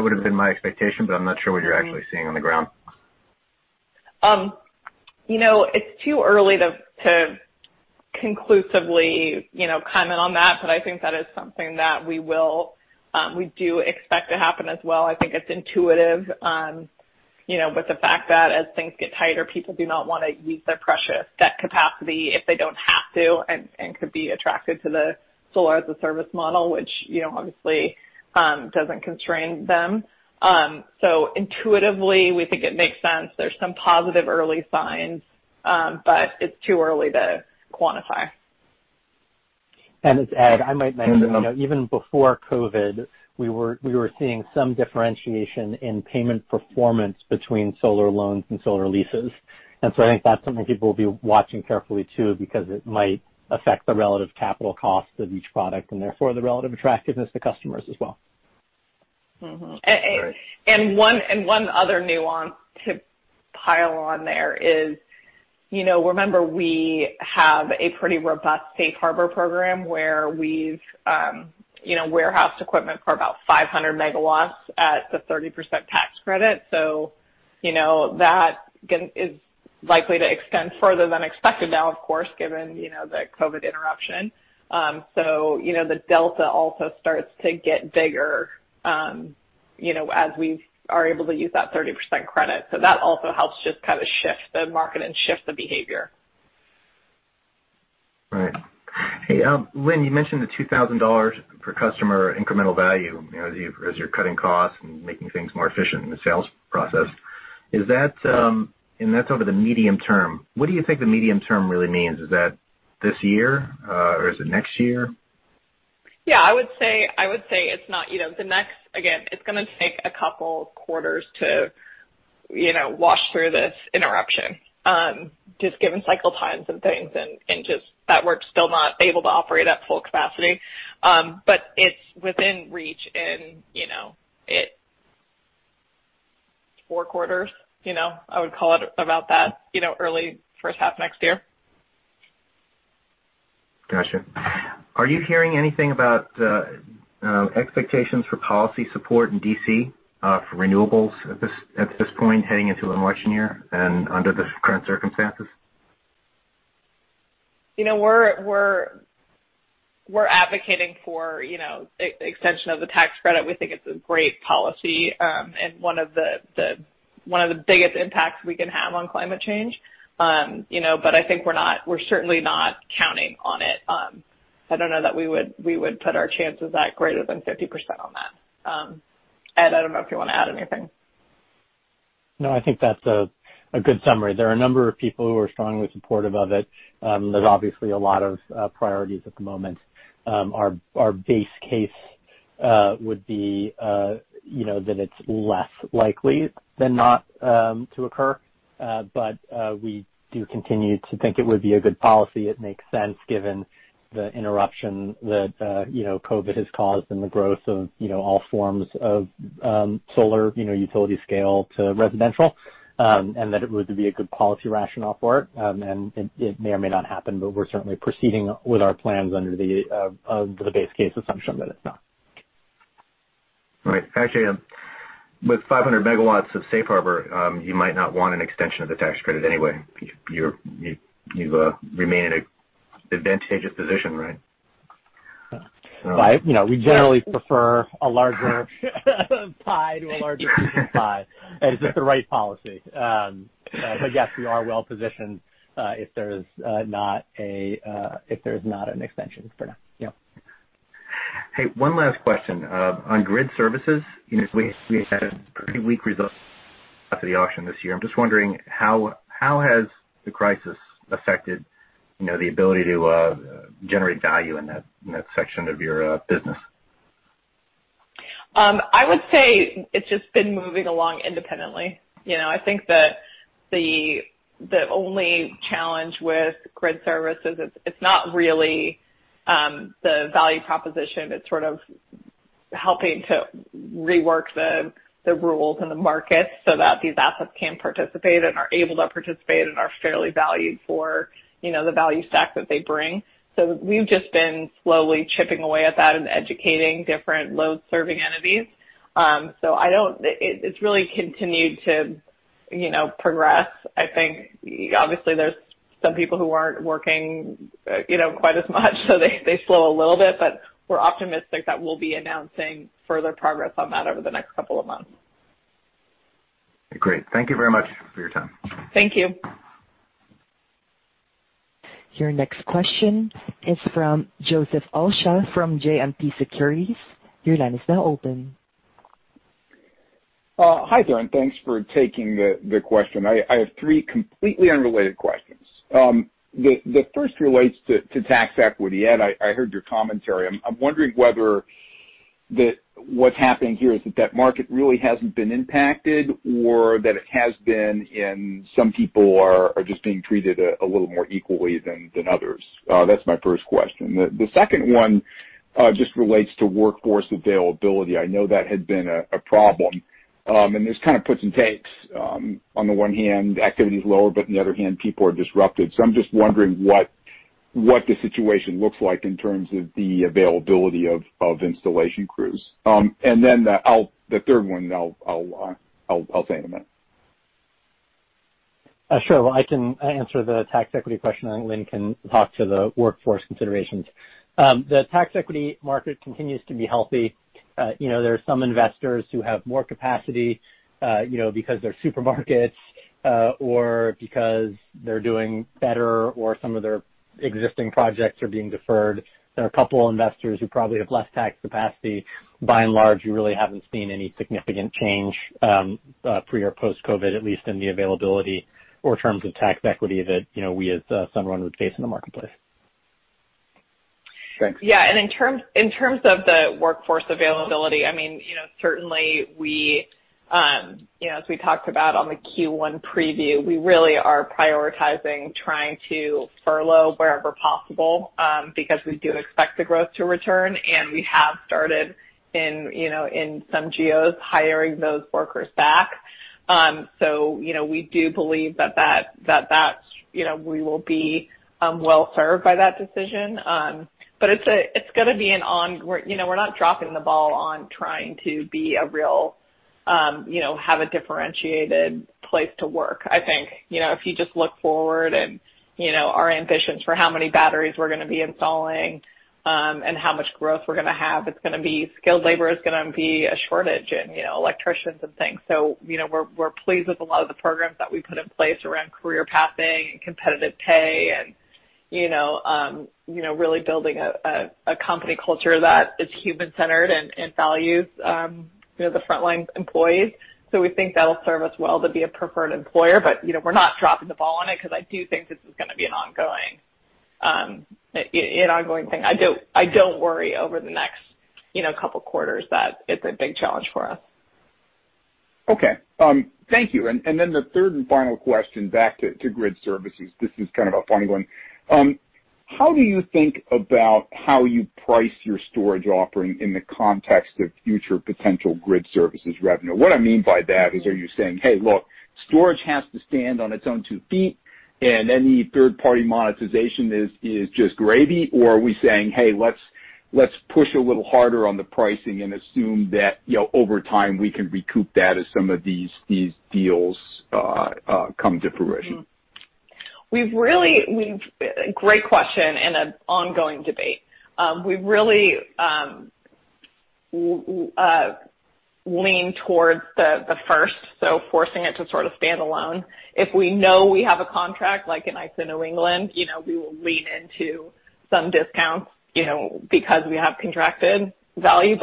would have been my expectation, but I'm not sure what you're actually seeing on the ground. It's too early to conclusively comment on that, I think that is something that we do expect to happen as well. I think it's intuitive. The fact that as things get tighter, people do not want to use their precious debt capacity if they don't have to and could be attracted to the solar-as-a-service model, which obviously doesn't constrain them. Intuitively, we think it makes sense. There's some positive early signs. It's too early to quantify. It's Ed. I might mention, even before COVID, we were seeing some differentiation in payment performance between solar loans and solar leases. I think that's something people will be watching carefully too, because it might affect the relative capital cost of each product and therefore the relative attractiveness to customers as well. Mm-hmm. One other nuance to pile on there is remember we have a pretty robust safe harbor program where we've warehoused equipment for about 500 MW at the 30% tax credit. That is likely to extend further than expected now, of course, given the COVID interruption. The delta also starts to get bigger as we are able to use that 30% credit. That also helps just kind of shift the market and shift the behavior. Right. Hey, Lynn, you mentioned the $2,000 per customer incremental value as you're cutting costs and making things more efficient in the sales process. That's over the medium term. What do you think the medium term really means? Is that this year? Or is it next year? Yeah, I would say it's not again, it's going to take a couple quarters to wash through this interruption just given cycle times and things and just that we're still not able to operate at full capacity. It's within reach in four quarters. I would call it about that early first half next year. Got you. Are you hearing anything about expectations for policy support in D.C. for renewables at this point, heading into an election year and under the current circumstances? We're advocating for extension of the tax credit. We think it's a great policy, and one of the biggest impacts we can have on climate change. I think we're certainly not counting on it. I don't know that we would put our chances at greater than 50% on that. Ed, I don't know if you want to add anything. No, I think that's a good summary. There are a number of people who are strongly supportive of it. There is obviously a lot of priorities at the moment. Our base case would be that it is less likely than not to occur. We do continue to think it would be a good policy. It makes sense given the interruption that COVID has caused and the growth of all forms of solar, utility scale to residential, and that it would be a good policy rationale for it. It may or may not happen, but we are certainly proceeding with our plans under the base case assumption that it is not. Right. Actually, with 500 MW of safe harbor, you might not want an extension of the tax credit anyway. You remain in an advantageous position, right? Right. We generally prefer a larger pie to a larger piece of pie. It's just the right policy. Yes, we are well positioned, if there's not an extension for now. Yeah. Hey, one last question. On grid services, we had a pretty weak result after the auction this year. I'm just wondering, how has the crisis affected the ability to generate value in that section of your business? I would say it's just been moving along independently. I think that the only challenge with grid services, it's not really the value proposition. It's sort of helping to rework the rules and the markets so that these assets can participate and are able to participate and are fairly valued for the value stack that they bring. We've just been slowly chipping away at that and educating different load-serving entities. It's really continued to progress. I think obviously there's some people who aren't working quite as much, so they slow a little bit, but we're optimistic that we'll be announcing further progress on that over the next couple of months. Great. Thank you very much for your time. Thank you. Your next question is from Joseph Osha from JMP Securities. Your line is now open. Hi there, thanks for taking the question. I have three completely unrelated questions. The first relates to tax equity. Ed, I heard your commentary. I'm wondering whether what's happening here is that that market really hasn't been impacted or that it has been and some people are just being treated a little more equally than others. That's my first question. The second one just relates to workforce availability. I know that had been a problem. There's kind of puts and takes. On the one hand, activity is lower, but on the other hand, people are disrupted. I'm just wondering what the situation looks like in terms of the availability of installation crews. The third one, I'll say in a minute. Sure. I can answer the tax equity question, and Lynn can talk to the workforce considerations. The tax equity market continues to be healthy. There are some investors who have more capacity because they're supermarkets or because they're doing better or some of their existing projects are being deferred. There are a couple of investors who probably have less tax capacity. By and large, we really haven't seen any significant change pre or post-COVID, at least in the availability or terms of tax equity that we as Sunrun would face in the marketplace. Thanks. Yeah. In terms of the workforce availability, certainly as we talked about on the Q1 preview, we really are prioritizing trying to furlough wherever possible because we do expect the growth to return, and we have started in some geos hiring those workers back. We do believe that we will be well-served by that decision. We're not dropping the ball on trying to have a differentiated place to work. I think, if you just look forward and our ambitions for how many batteries we're going to be installing, and how much growth we're going to have, skilled labor is going to be a shortage in electricians and things. We're pleased with a lot of the programs that we put in place around career pathing and competitive pay and really building a company culture that is human-centered and values the frontline employees. We think that'll serve us well to be a preferred employer. We're not dropping the ball on it because I do think this is going to be an ongoing thing. I don't worry over the next couple of quarters that it's a big challenge for us. Okay. Thank you. Then the third and final question, back to grid services. This is kind of a fun one. How do you think about how you price your storage offering in the context of future potential grid services revenue? What I mean by that is, are you saying, "Hey, look, storage has to stand on its own 2 ft, and any third-party monetization is just gravy" or are we saying, "Hey, Let's push a little harder on the pricing and assume that over time, we can recoup that as some of these deals come to fruition? Great question and an ongoing debate. We really lean towards the first, so forcing it to sort of stand alone. If we know we have a contract, like in ISO New England, we will lean into some discounts because we have contracted value.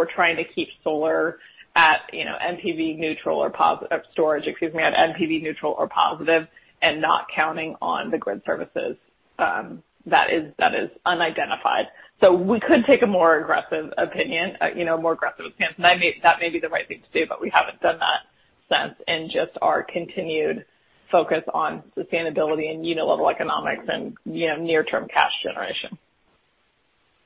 We're trying to keep solar at NPV neutral or positive, storage, excuse me, at NPV neutral or positive and not counting on the grid services that is unidentified. We could take a more aggressive opinion, more aggressive stance, and that may be the right thing to do, but we haven't done that since in just our continued focus on sustainability and unit level economics and near-term cash generation.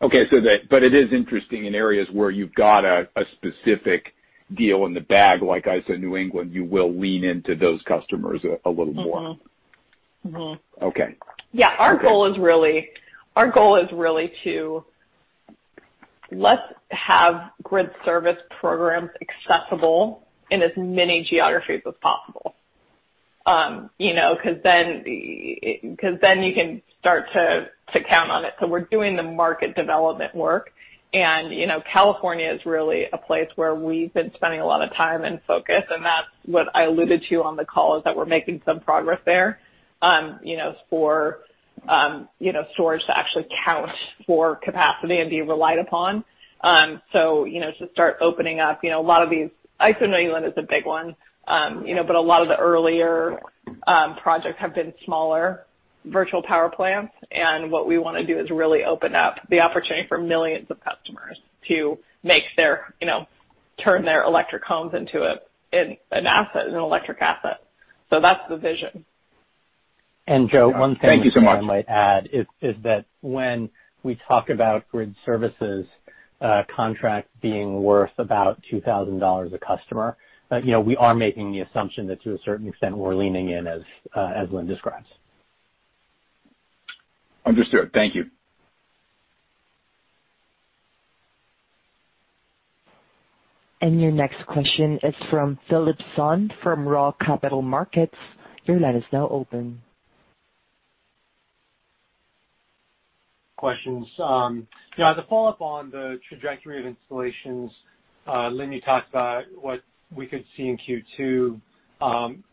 Okay. It is interesting in areas where you've got a specific deal in the bag, like ISO New England, you will lean into those customers a little more. Okay. Yeah. Our goal is really to let's have grid service programs accessible in as many geographies as possible because then you can start to count on it. We're doing the market development work, and California is really a place where we've been spending a lot of time and focus, and that's what I alluded to on the call, is that we're making some progress there for storage to actually count for capacity and be relied upon. To start opening up a lot of these. ISO New England is a big one. A lot of the earlier projects have been smaller virtual power plants. What we want to do is really open up the opportunity for millions of customers to turn their electric homes into an asset, an electric asset. That's the vision. Joe, one thing. Thank you so much I might add is that when we talk about grid services contract being worth about $2,000 a customer, we are making the assumption that to a certain extent, we're leaning in as Lynn describes. Understood. Thank you. Your next question is from Philip Shen from ROTH Capital [Markets]. Your line is now open. Questions. Yeah. To follow up on the trajectory of installations, Lynn, you talked about what we could see in Q2.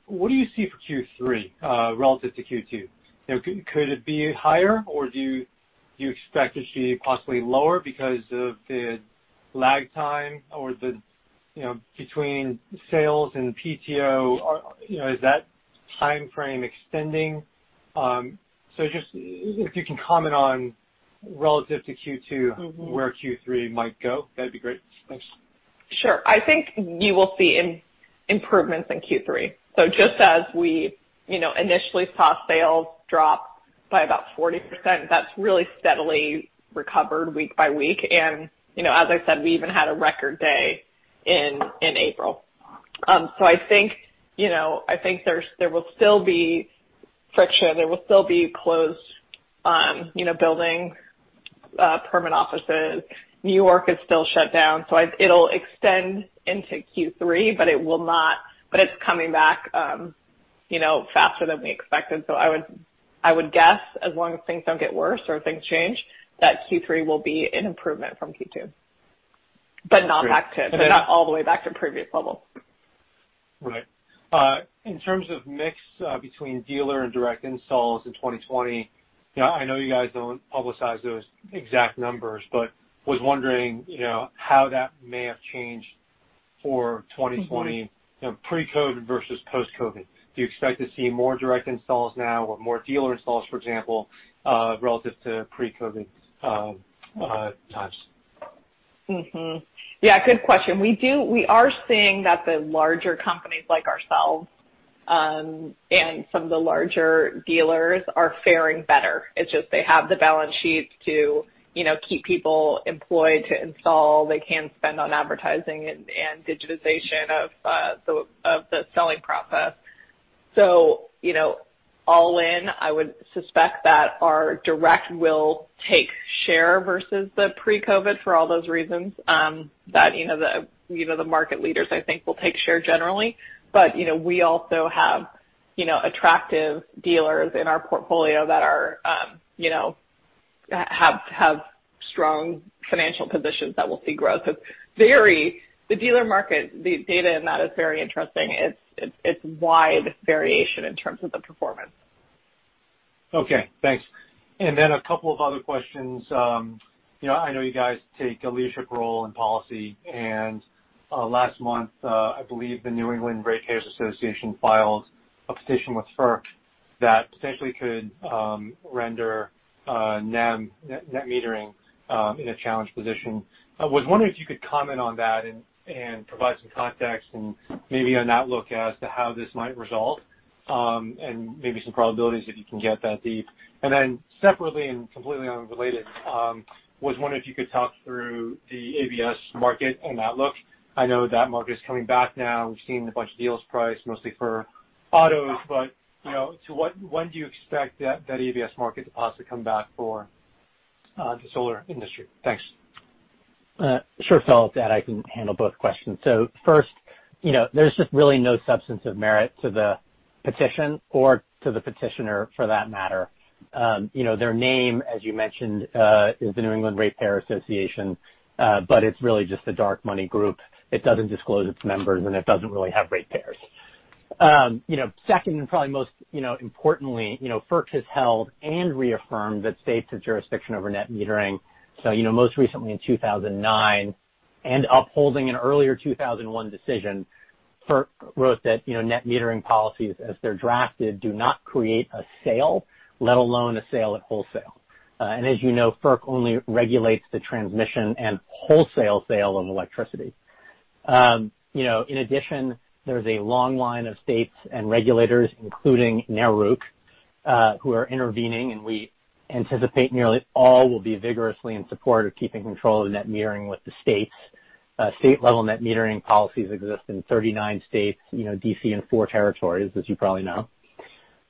What do you see for Q3 relative to Q2? Could it be higher, or do you expect to see possibly lower because of the lag time between sales and PTO? Is that timeframe extending? If you can comment on relative to Q2? Mm-hmm. Where Q3 might go, that'd be great. Thanks. Sure. I think you will see improvements in Q3. Just as we initially saw sales drop by about 40%, that's really steadily recovered week by week. As I said, we even had a record day in April. I think there will still be friction. There will still be closed buildings, permit offices. New York is still shut down, so it'll extend into Q3, but it's coming back faster than we expected. I would guess as long as things don't get worse or things change, that Q3 will be an improvement from Q2. Not back to— Great. not all the way back to previous levels. Right. In terms of mix between dealer and direct installs in 2020, I know you guys don't publicize those exact numbers, but was wondering how that may have changed for 2020? Mm-hmm. Pre-COVID versus post-COVID. Do you expect to see more direct installs now or more dealer installs, for example, relative to pre-COVID times? Yeah, good question. We are seeing that the larger companies like ourselves, and some of the larger dealers are faring better. It's just they have the balance sheets to keep people employed to install. They can spend on advertising and digitization of the selling process. All in, I would suspect that our direct will take share versus the pre-COVID for all those reasons that the market leaders, I think, will take share generally. We also have attractive dealers in our portfolio that have strong financial positions that will see growth. The dealer market data in that is very interesting. It's wide variation in terms of the performance. Okay, thanks. A couple of other questions. I know you guys take a leadership role in policy, and last month, I believe the New England Ratepayers Association filed a petition with FERC that potentially could render NEM, net metering, in a challenged position. I was wondering if you could comment on that and provide some context and maybe an outlook as to how this might resolve, and maybe some probabilities if you can get that deep. Separately and completely unrelated, I was wondering if you could talk through the ABS market and outlook. I know that market is coming back now. We've seen a bunch of deals priced mostly for autos, but when do you expect that ABS market to possibly come back for the solar industry? Thanks. Sure, Phil. Ed, I can handle both questions. First, there's just really no substance of merit to the petition or to the petitioner, for that matter. Their name, as you mentioned, is the New England Ratepayers Association, but it's really just a dark money group. It doesn't disclose its members, and it doesn't really have ratepayers. Second, and probably most importantly, FERC has held and reaffirmed that states have jurisdiction over net metering. Most recently in 2009, and upholding an earlier 2001 decision, FERC wrote that net metering policies, as they're drafted, do not create a sale, let alone a sale at wholesale. As you know, FERC only regulates the transmission and wholesale sale of electricity. There's a long line of states and regulators, including NARUC, who are intervening, and we anticipate nearly all will be vigorously in support of keeping control of net metering with the states. State-level net metering policies exist in 39 states, D.C., and four territories, as you probably know.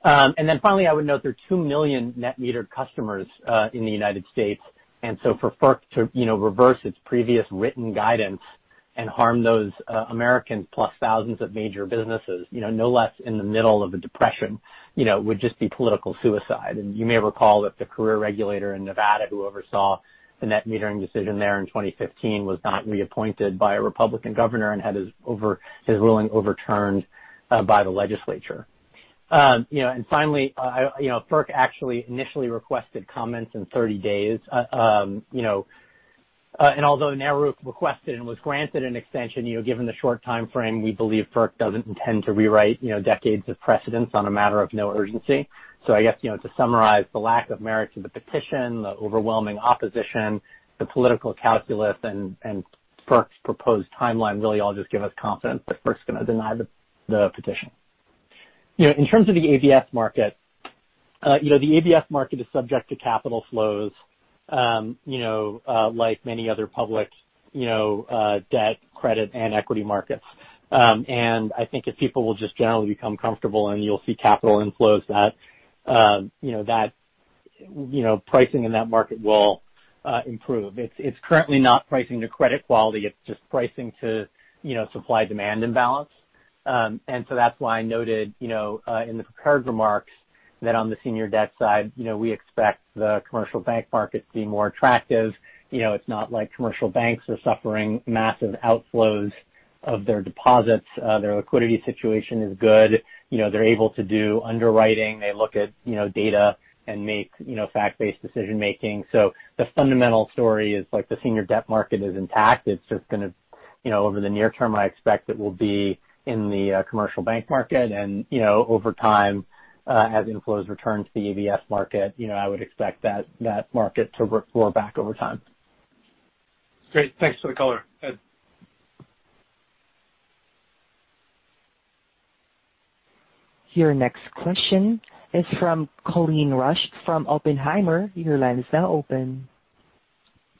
Finally, I would note there are 2 million net metered customers in the United States. For FERC to reverse its previous written guidance and harm those Americans, plus thousands of major businesses, no less in the middle of a depression, would just be political suicide. You may recall that the career regulator in Nevada who oversaw the net metering decision there in 2015 was not reappointed by a Republican governor and had his ruling overturned by the legislature. Finally, FERC actually initially requested comments in 30 days. Although NARUC requested and was granted an extension, given the short timeframe, we believe FERC doesn't intend to rewrite decades of precedence on a matter of no urgency. I guess, to summarize, the lack of merit to the petition, the overwhelming opposition, the political calculus, and FERC's proposed timeline really all just give us confidence that FERC's going to deny the petition. In terms of the ABS market, the ABS market is subject to capital flows like many other public debt, credit, and equity markets. I think if people will just generally become comfortable and you'll see capital inflows, that pricing in that market will improve. It's currently not pricing to credit quality. It's just pricing to supply-demand imbalance. That's why I noted in the prepared remarks that on the senior debt side we expect the commercial bank market to be more attractive. It's not like commercial banks are suffering massive outflows of their deposits. Their liquidity situation is good. They're able to do underwriting. They look at data and make fact-based decision-making. The fundamental story is the senior debt market is intact. It's just going to, over the near term, I expect it will be in the commercial bank market. Over time, as inflows return to the ABS market, I would expect that market to roar back over time. Great. Thanks for the color. Ed. Your next question is from Colin Rusch from Oppenheimer. Your line is now open.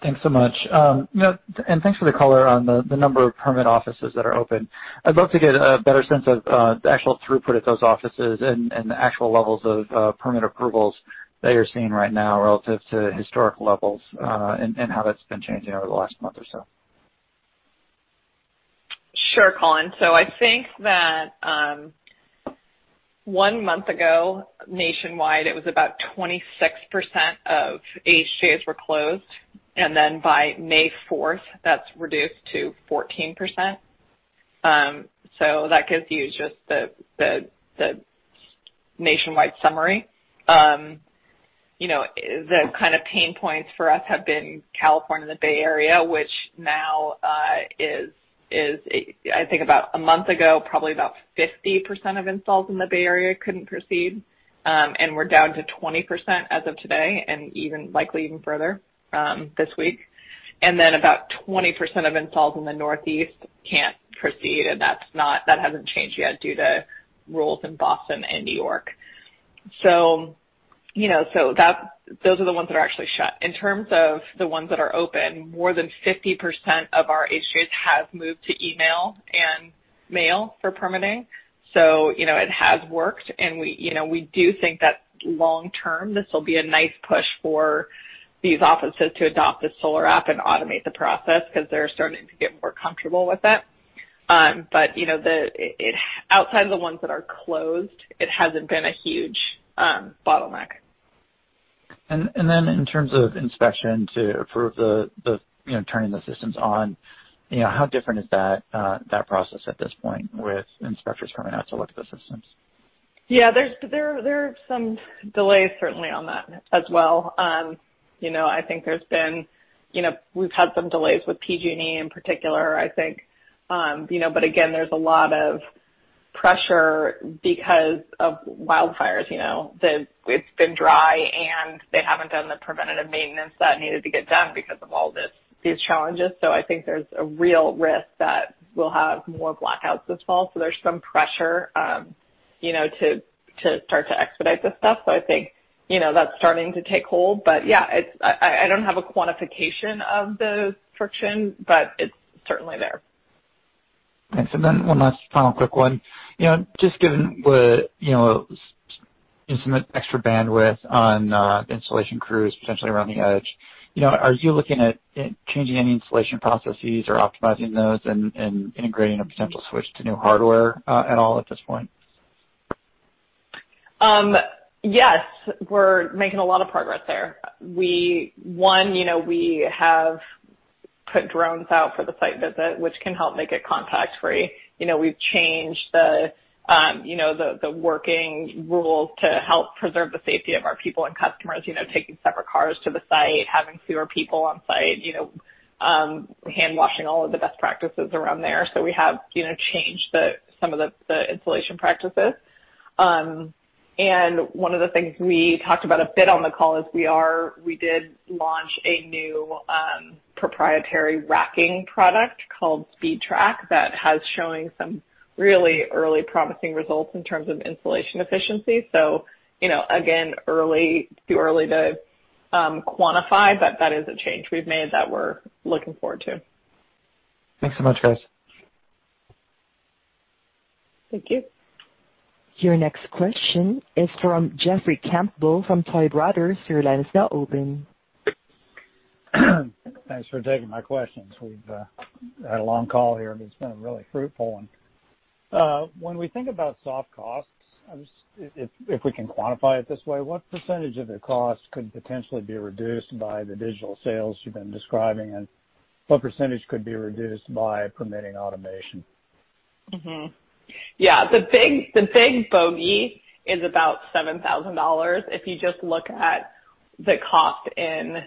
Thanks so much. Thanks for the color on the number of permit offices that are open. I'd love to get a better sense of the actual throughput at those offices and the actual levels of permit approvals that you're seeing right now relative to historic levels. How that's been changing over the last month or so. Sure, Colin. I think that one month ago, nationwide, it was about 26% of AHJ's were closed, and then by May 4th, that's reduced to 14%. That gives you just the nationwide summary. The kind of pain points for us have been California and the Bay Area, which now is, I think about a month ago, probably about 50% of installs in the Bay Area couldn't proceed. We're down to 20% as of today and likely even further this week. About 20% of installs in the Northeast can't proceed, and that hasn't changed yet due to rules in Boston and New York. Those are the ones that are actually shut. In terms of the ones that are open, more than 50% of our AHJ's have moved to email and mail for permitting. It has worked, and we do think that long-term, this will be a nice push for these offices to adopt the SolarAPP and automate the process because they're starting to get more comfortable with it. Outside of the ones that are closed, it hasn't been a huge bottleneck. In terms of inspection to approve turning the systems on, how different is that process at this point with inspectors coming out to look at the systems? Yeah. There are some delays certainly on that as well. I think we've had some delays with PG&E in particular, I think. Again, there's a lot of pressure because of wildfires. It's been dry, and they haven't done the preventative maintenance that needed to get done because of all these challenges. I think there's a real risk that we'll have more blackouts this fall. There's some pressure to start to expedite this stuff. I think that's starting to take hold. Yeah, I don't have a quantification of the friction, but it's certainly there. Thanks. One last final quick one. Just given the extra bandwidth on the installation crews potentially around the edge, are you looking at changing any installation processes or optimizing those and integrating a potential switch to new hardware at all at this point? Yes, we're making a lot of progress there. One, we have put drones out for the site visit, which can help make it contact-free. We've changed the working rules to help preserve the safety of our people and customers, taking separate cars to the site, having fewer people on site, hand washing, all of the best practices around there. We have changed some of the installation practices. One of the things we talked about a bit on the call is we did launch a new proprietary racking product called [Speed Track that has shown some really early promising results in terms of installation efficiency. Again, too early to quantify, but that is a change we've made that we're looking forward to. Thanks so much, guys. Thank you. Your next question is from Jeffrey Campbell from Tuohy Brothers. Your line is now open. Thanks for taking my questions. We've had a long call here, but it's been a really fruitful one. When we think about soft costs, if we can quantify it this way, what percentage of the cost could potentially be reduced by the digital sales you've been describing, and what percentage could be reduced by permitting automation? Yeah, the big bogey is about $7,000. If you just look at the cost in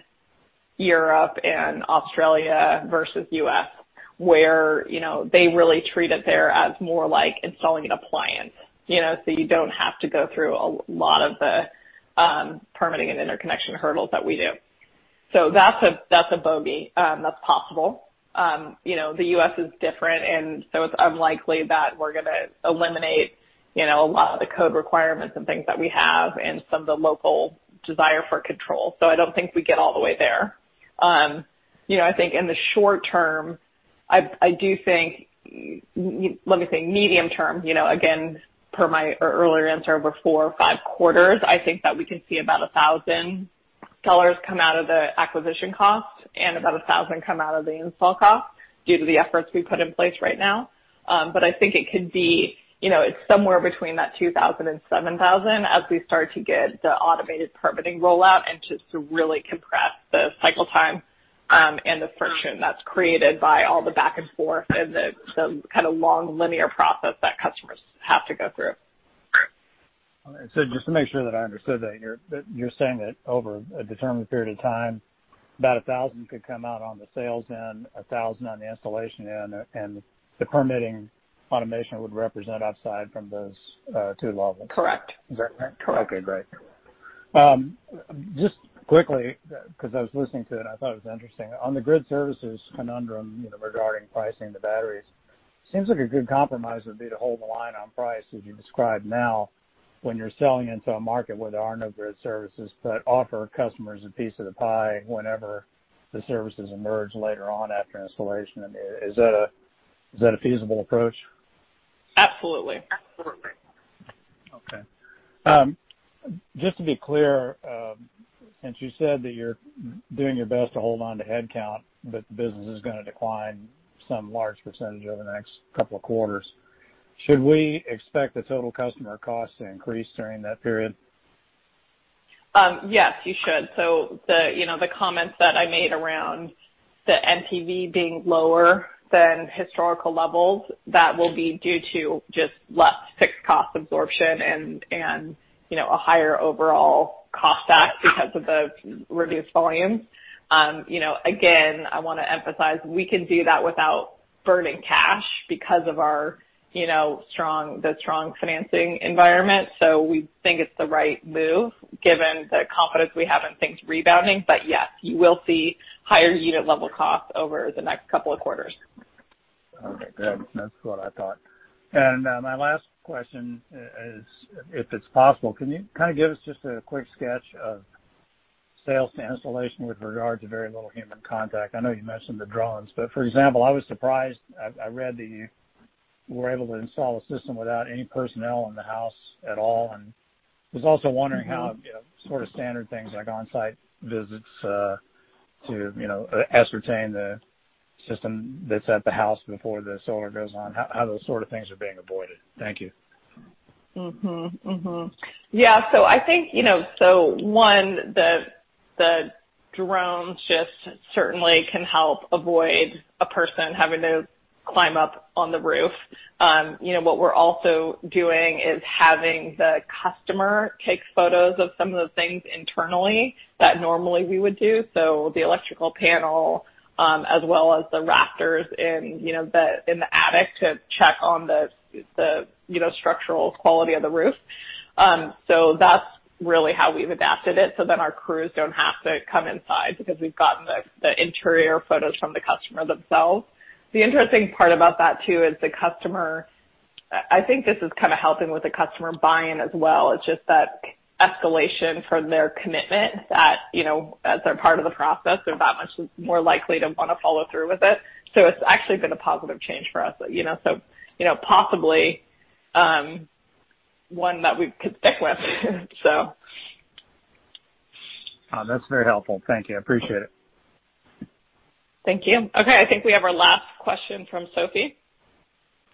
Europe and Australia versus U.S., where they really treat it there as more like installing an appliance. You don't have to go through a lot of the permitting and interconnection hurdles that we do. That's a bogey. That's possible. The U.S. is different, and so it's unlikely that we're going to eliminate a lot of the code requirements and things that we have and some of the local desire for control. I don't think we get all the way there. I think in the short term, I do think, let me say medium term, again, per my earlier answer, over four or five quarters, I think that we can see about $1,000 come out of the acquisition cost and about $1,000 come out of the install cost due to the efforts we put in place right now. I think it could be it's somewhere between that $2,000 and $7,000 as we start to get the automated permitting rollout and just to really compress the cycle time, and the friction that's created by all the back and forth and the long linear process that customers have to go through. Just to make sure that I understood that, you're saying that over a determined period of time, about $1,000 could come out on the sales end, $1,000 on the installation end, and the permitting automation would represent upside from those two levels. Correct. Is that right? Correct. Okay, great. Just quickly, because I was listening to it and I thought it was interesting. On the grid services conundrum regarding pricing the batteries, seems like a good compromise would be to hold the line on price, as you describe now, when you're selling into a market where there are no grid services, but offer customers a piece of the pie whenever the services emerge later on after installation. Is that a feasible approach? Absolutely. Okay. Just to be clear, since you said that you're doing your best to hold on to headcount, but the business is going to decline some large percentage over the next couple of quarters, should we expect the total customer cost to increase during that period? Yes, you should. The comments that I made around the NPV being lower than historical levels, that will be due to just less fixed cost absorption and a higher overall cost back because of the reduced volumes. Again, I want to emphasize, we can do that without burning cash because of the strong financing environment. We think it's the right move given the confidence we have in things rebounding. Yes, you will see higher unit level costs over the next couple of quarters. Okay, good. That's what I thought. My last question is, if it's possible, can you give us just a quick sketch of sales to installation with regard to very little human contact? I know you mentioned the drones, but for example, I was surprised, I read that you were able to install a system without any personnel in the house at all, and was also wondering how sort of standard things like on-site visits to ascertain the system that's at the house before the solar goes on, how those sort of things are being avoided. Thank you. Yeah. I think, one, the drones just certainly can help avoid a person having to climb up on the roof. What we're also doing is having the customer take photos of some of the things internally that normally we would do. The electrical panel, as well as the rafters in the attic to check on the structural quality of the roof. That's really how we've adapted it, so then our crews don't have to come inside because we've gotten the interior photos from the customer themselves. The interesting part about that too is the customer. I think this is helping with the customer buy-in as well. It's just that escalation for their commitment that, as they're part of the process, they're that much more likely to want to follow through with it. It's actually been a positive change for us. Possibly one that we could stick with. That's very helpful. Thank you. I appreciate it. Thank you. Okay, I think we have our last question from Sophie.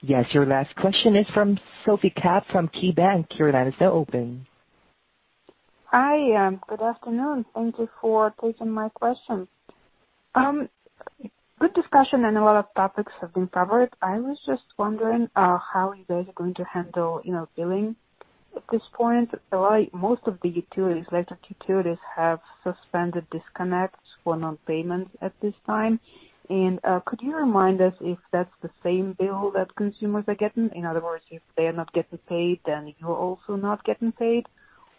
Yes, your last question is from Sophie Karp from KeyBanc Capital Markets. Your line is now open. Hi, good afternoon. Thank you for taking my question. Good discussion and a lot of topics have been covered. I was just wondering how you guys are going to handle billing at this point. Most of the electric utilities have suspended disconnects for non-payments at this time. Could you remind us if that's the same bill that consumers are getting? In other words, if they are not getting paid, then you're also not getting paid?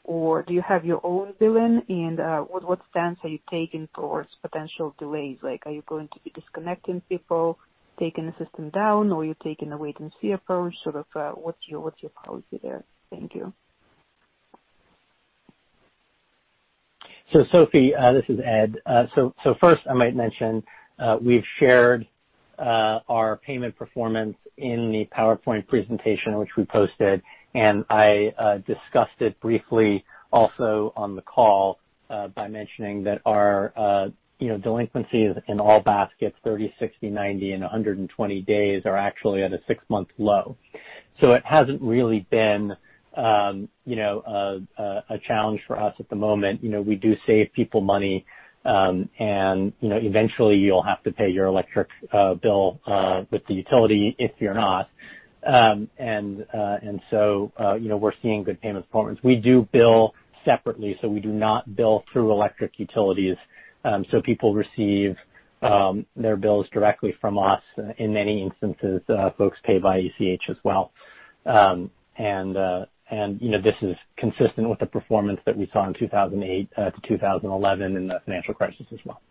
Do you have your own billing, and what stance are you taking towards potential delays? Are you going to be disconnecting people, taking the system down, or you're taking a wait and see approach, sort of what's your policy there? Thank you. Sophie, this is Ed. First I might mention, we've shared our payment performance in the PowerPoint presentation, which we posted, and I discussed it briefly also on the call by mentioning that our delinquencies in all baskets, 30, 60, 90, and 120 days, are actually at a six-month low. It hasn't really been a challenge for us at the moment. We do save people money, eventually you'll have to pay your electric bill with the utility if you're not. We're seeing good payment performance. We do bill separately, we do not bill through electric utilities. People receive their bills directly from us. In many instances, folks pay by ACH as well. This is consistent with the performance that we saw in 2008 to 2011 in the financial crisis as well.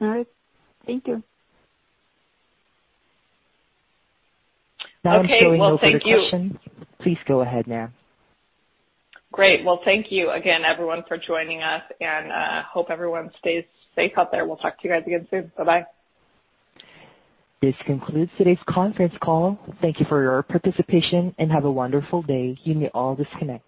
All right. Thank you. Now I'm showing no further questions. Okay. Well, thank you. Please go ahead now. Great. Well, thank you again everyone for joining us. Hope everyone stays safe out there. We'll talk to you guys again soon. Bye-bye. This concludes today's conference call. Thank you for your participation, and have a wonderful day. You may all disconnect.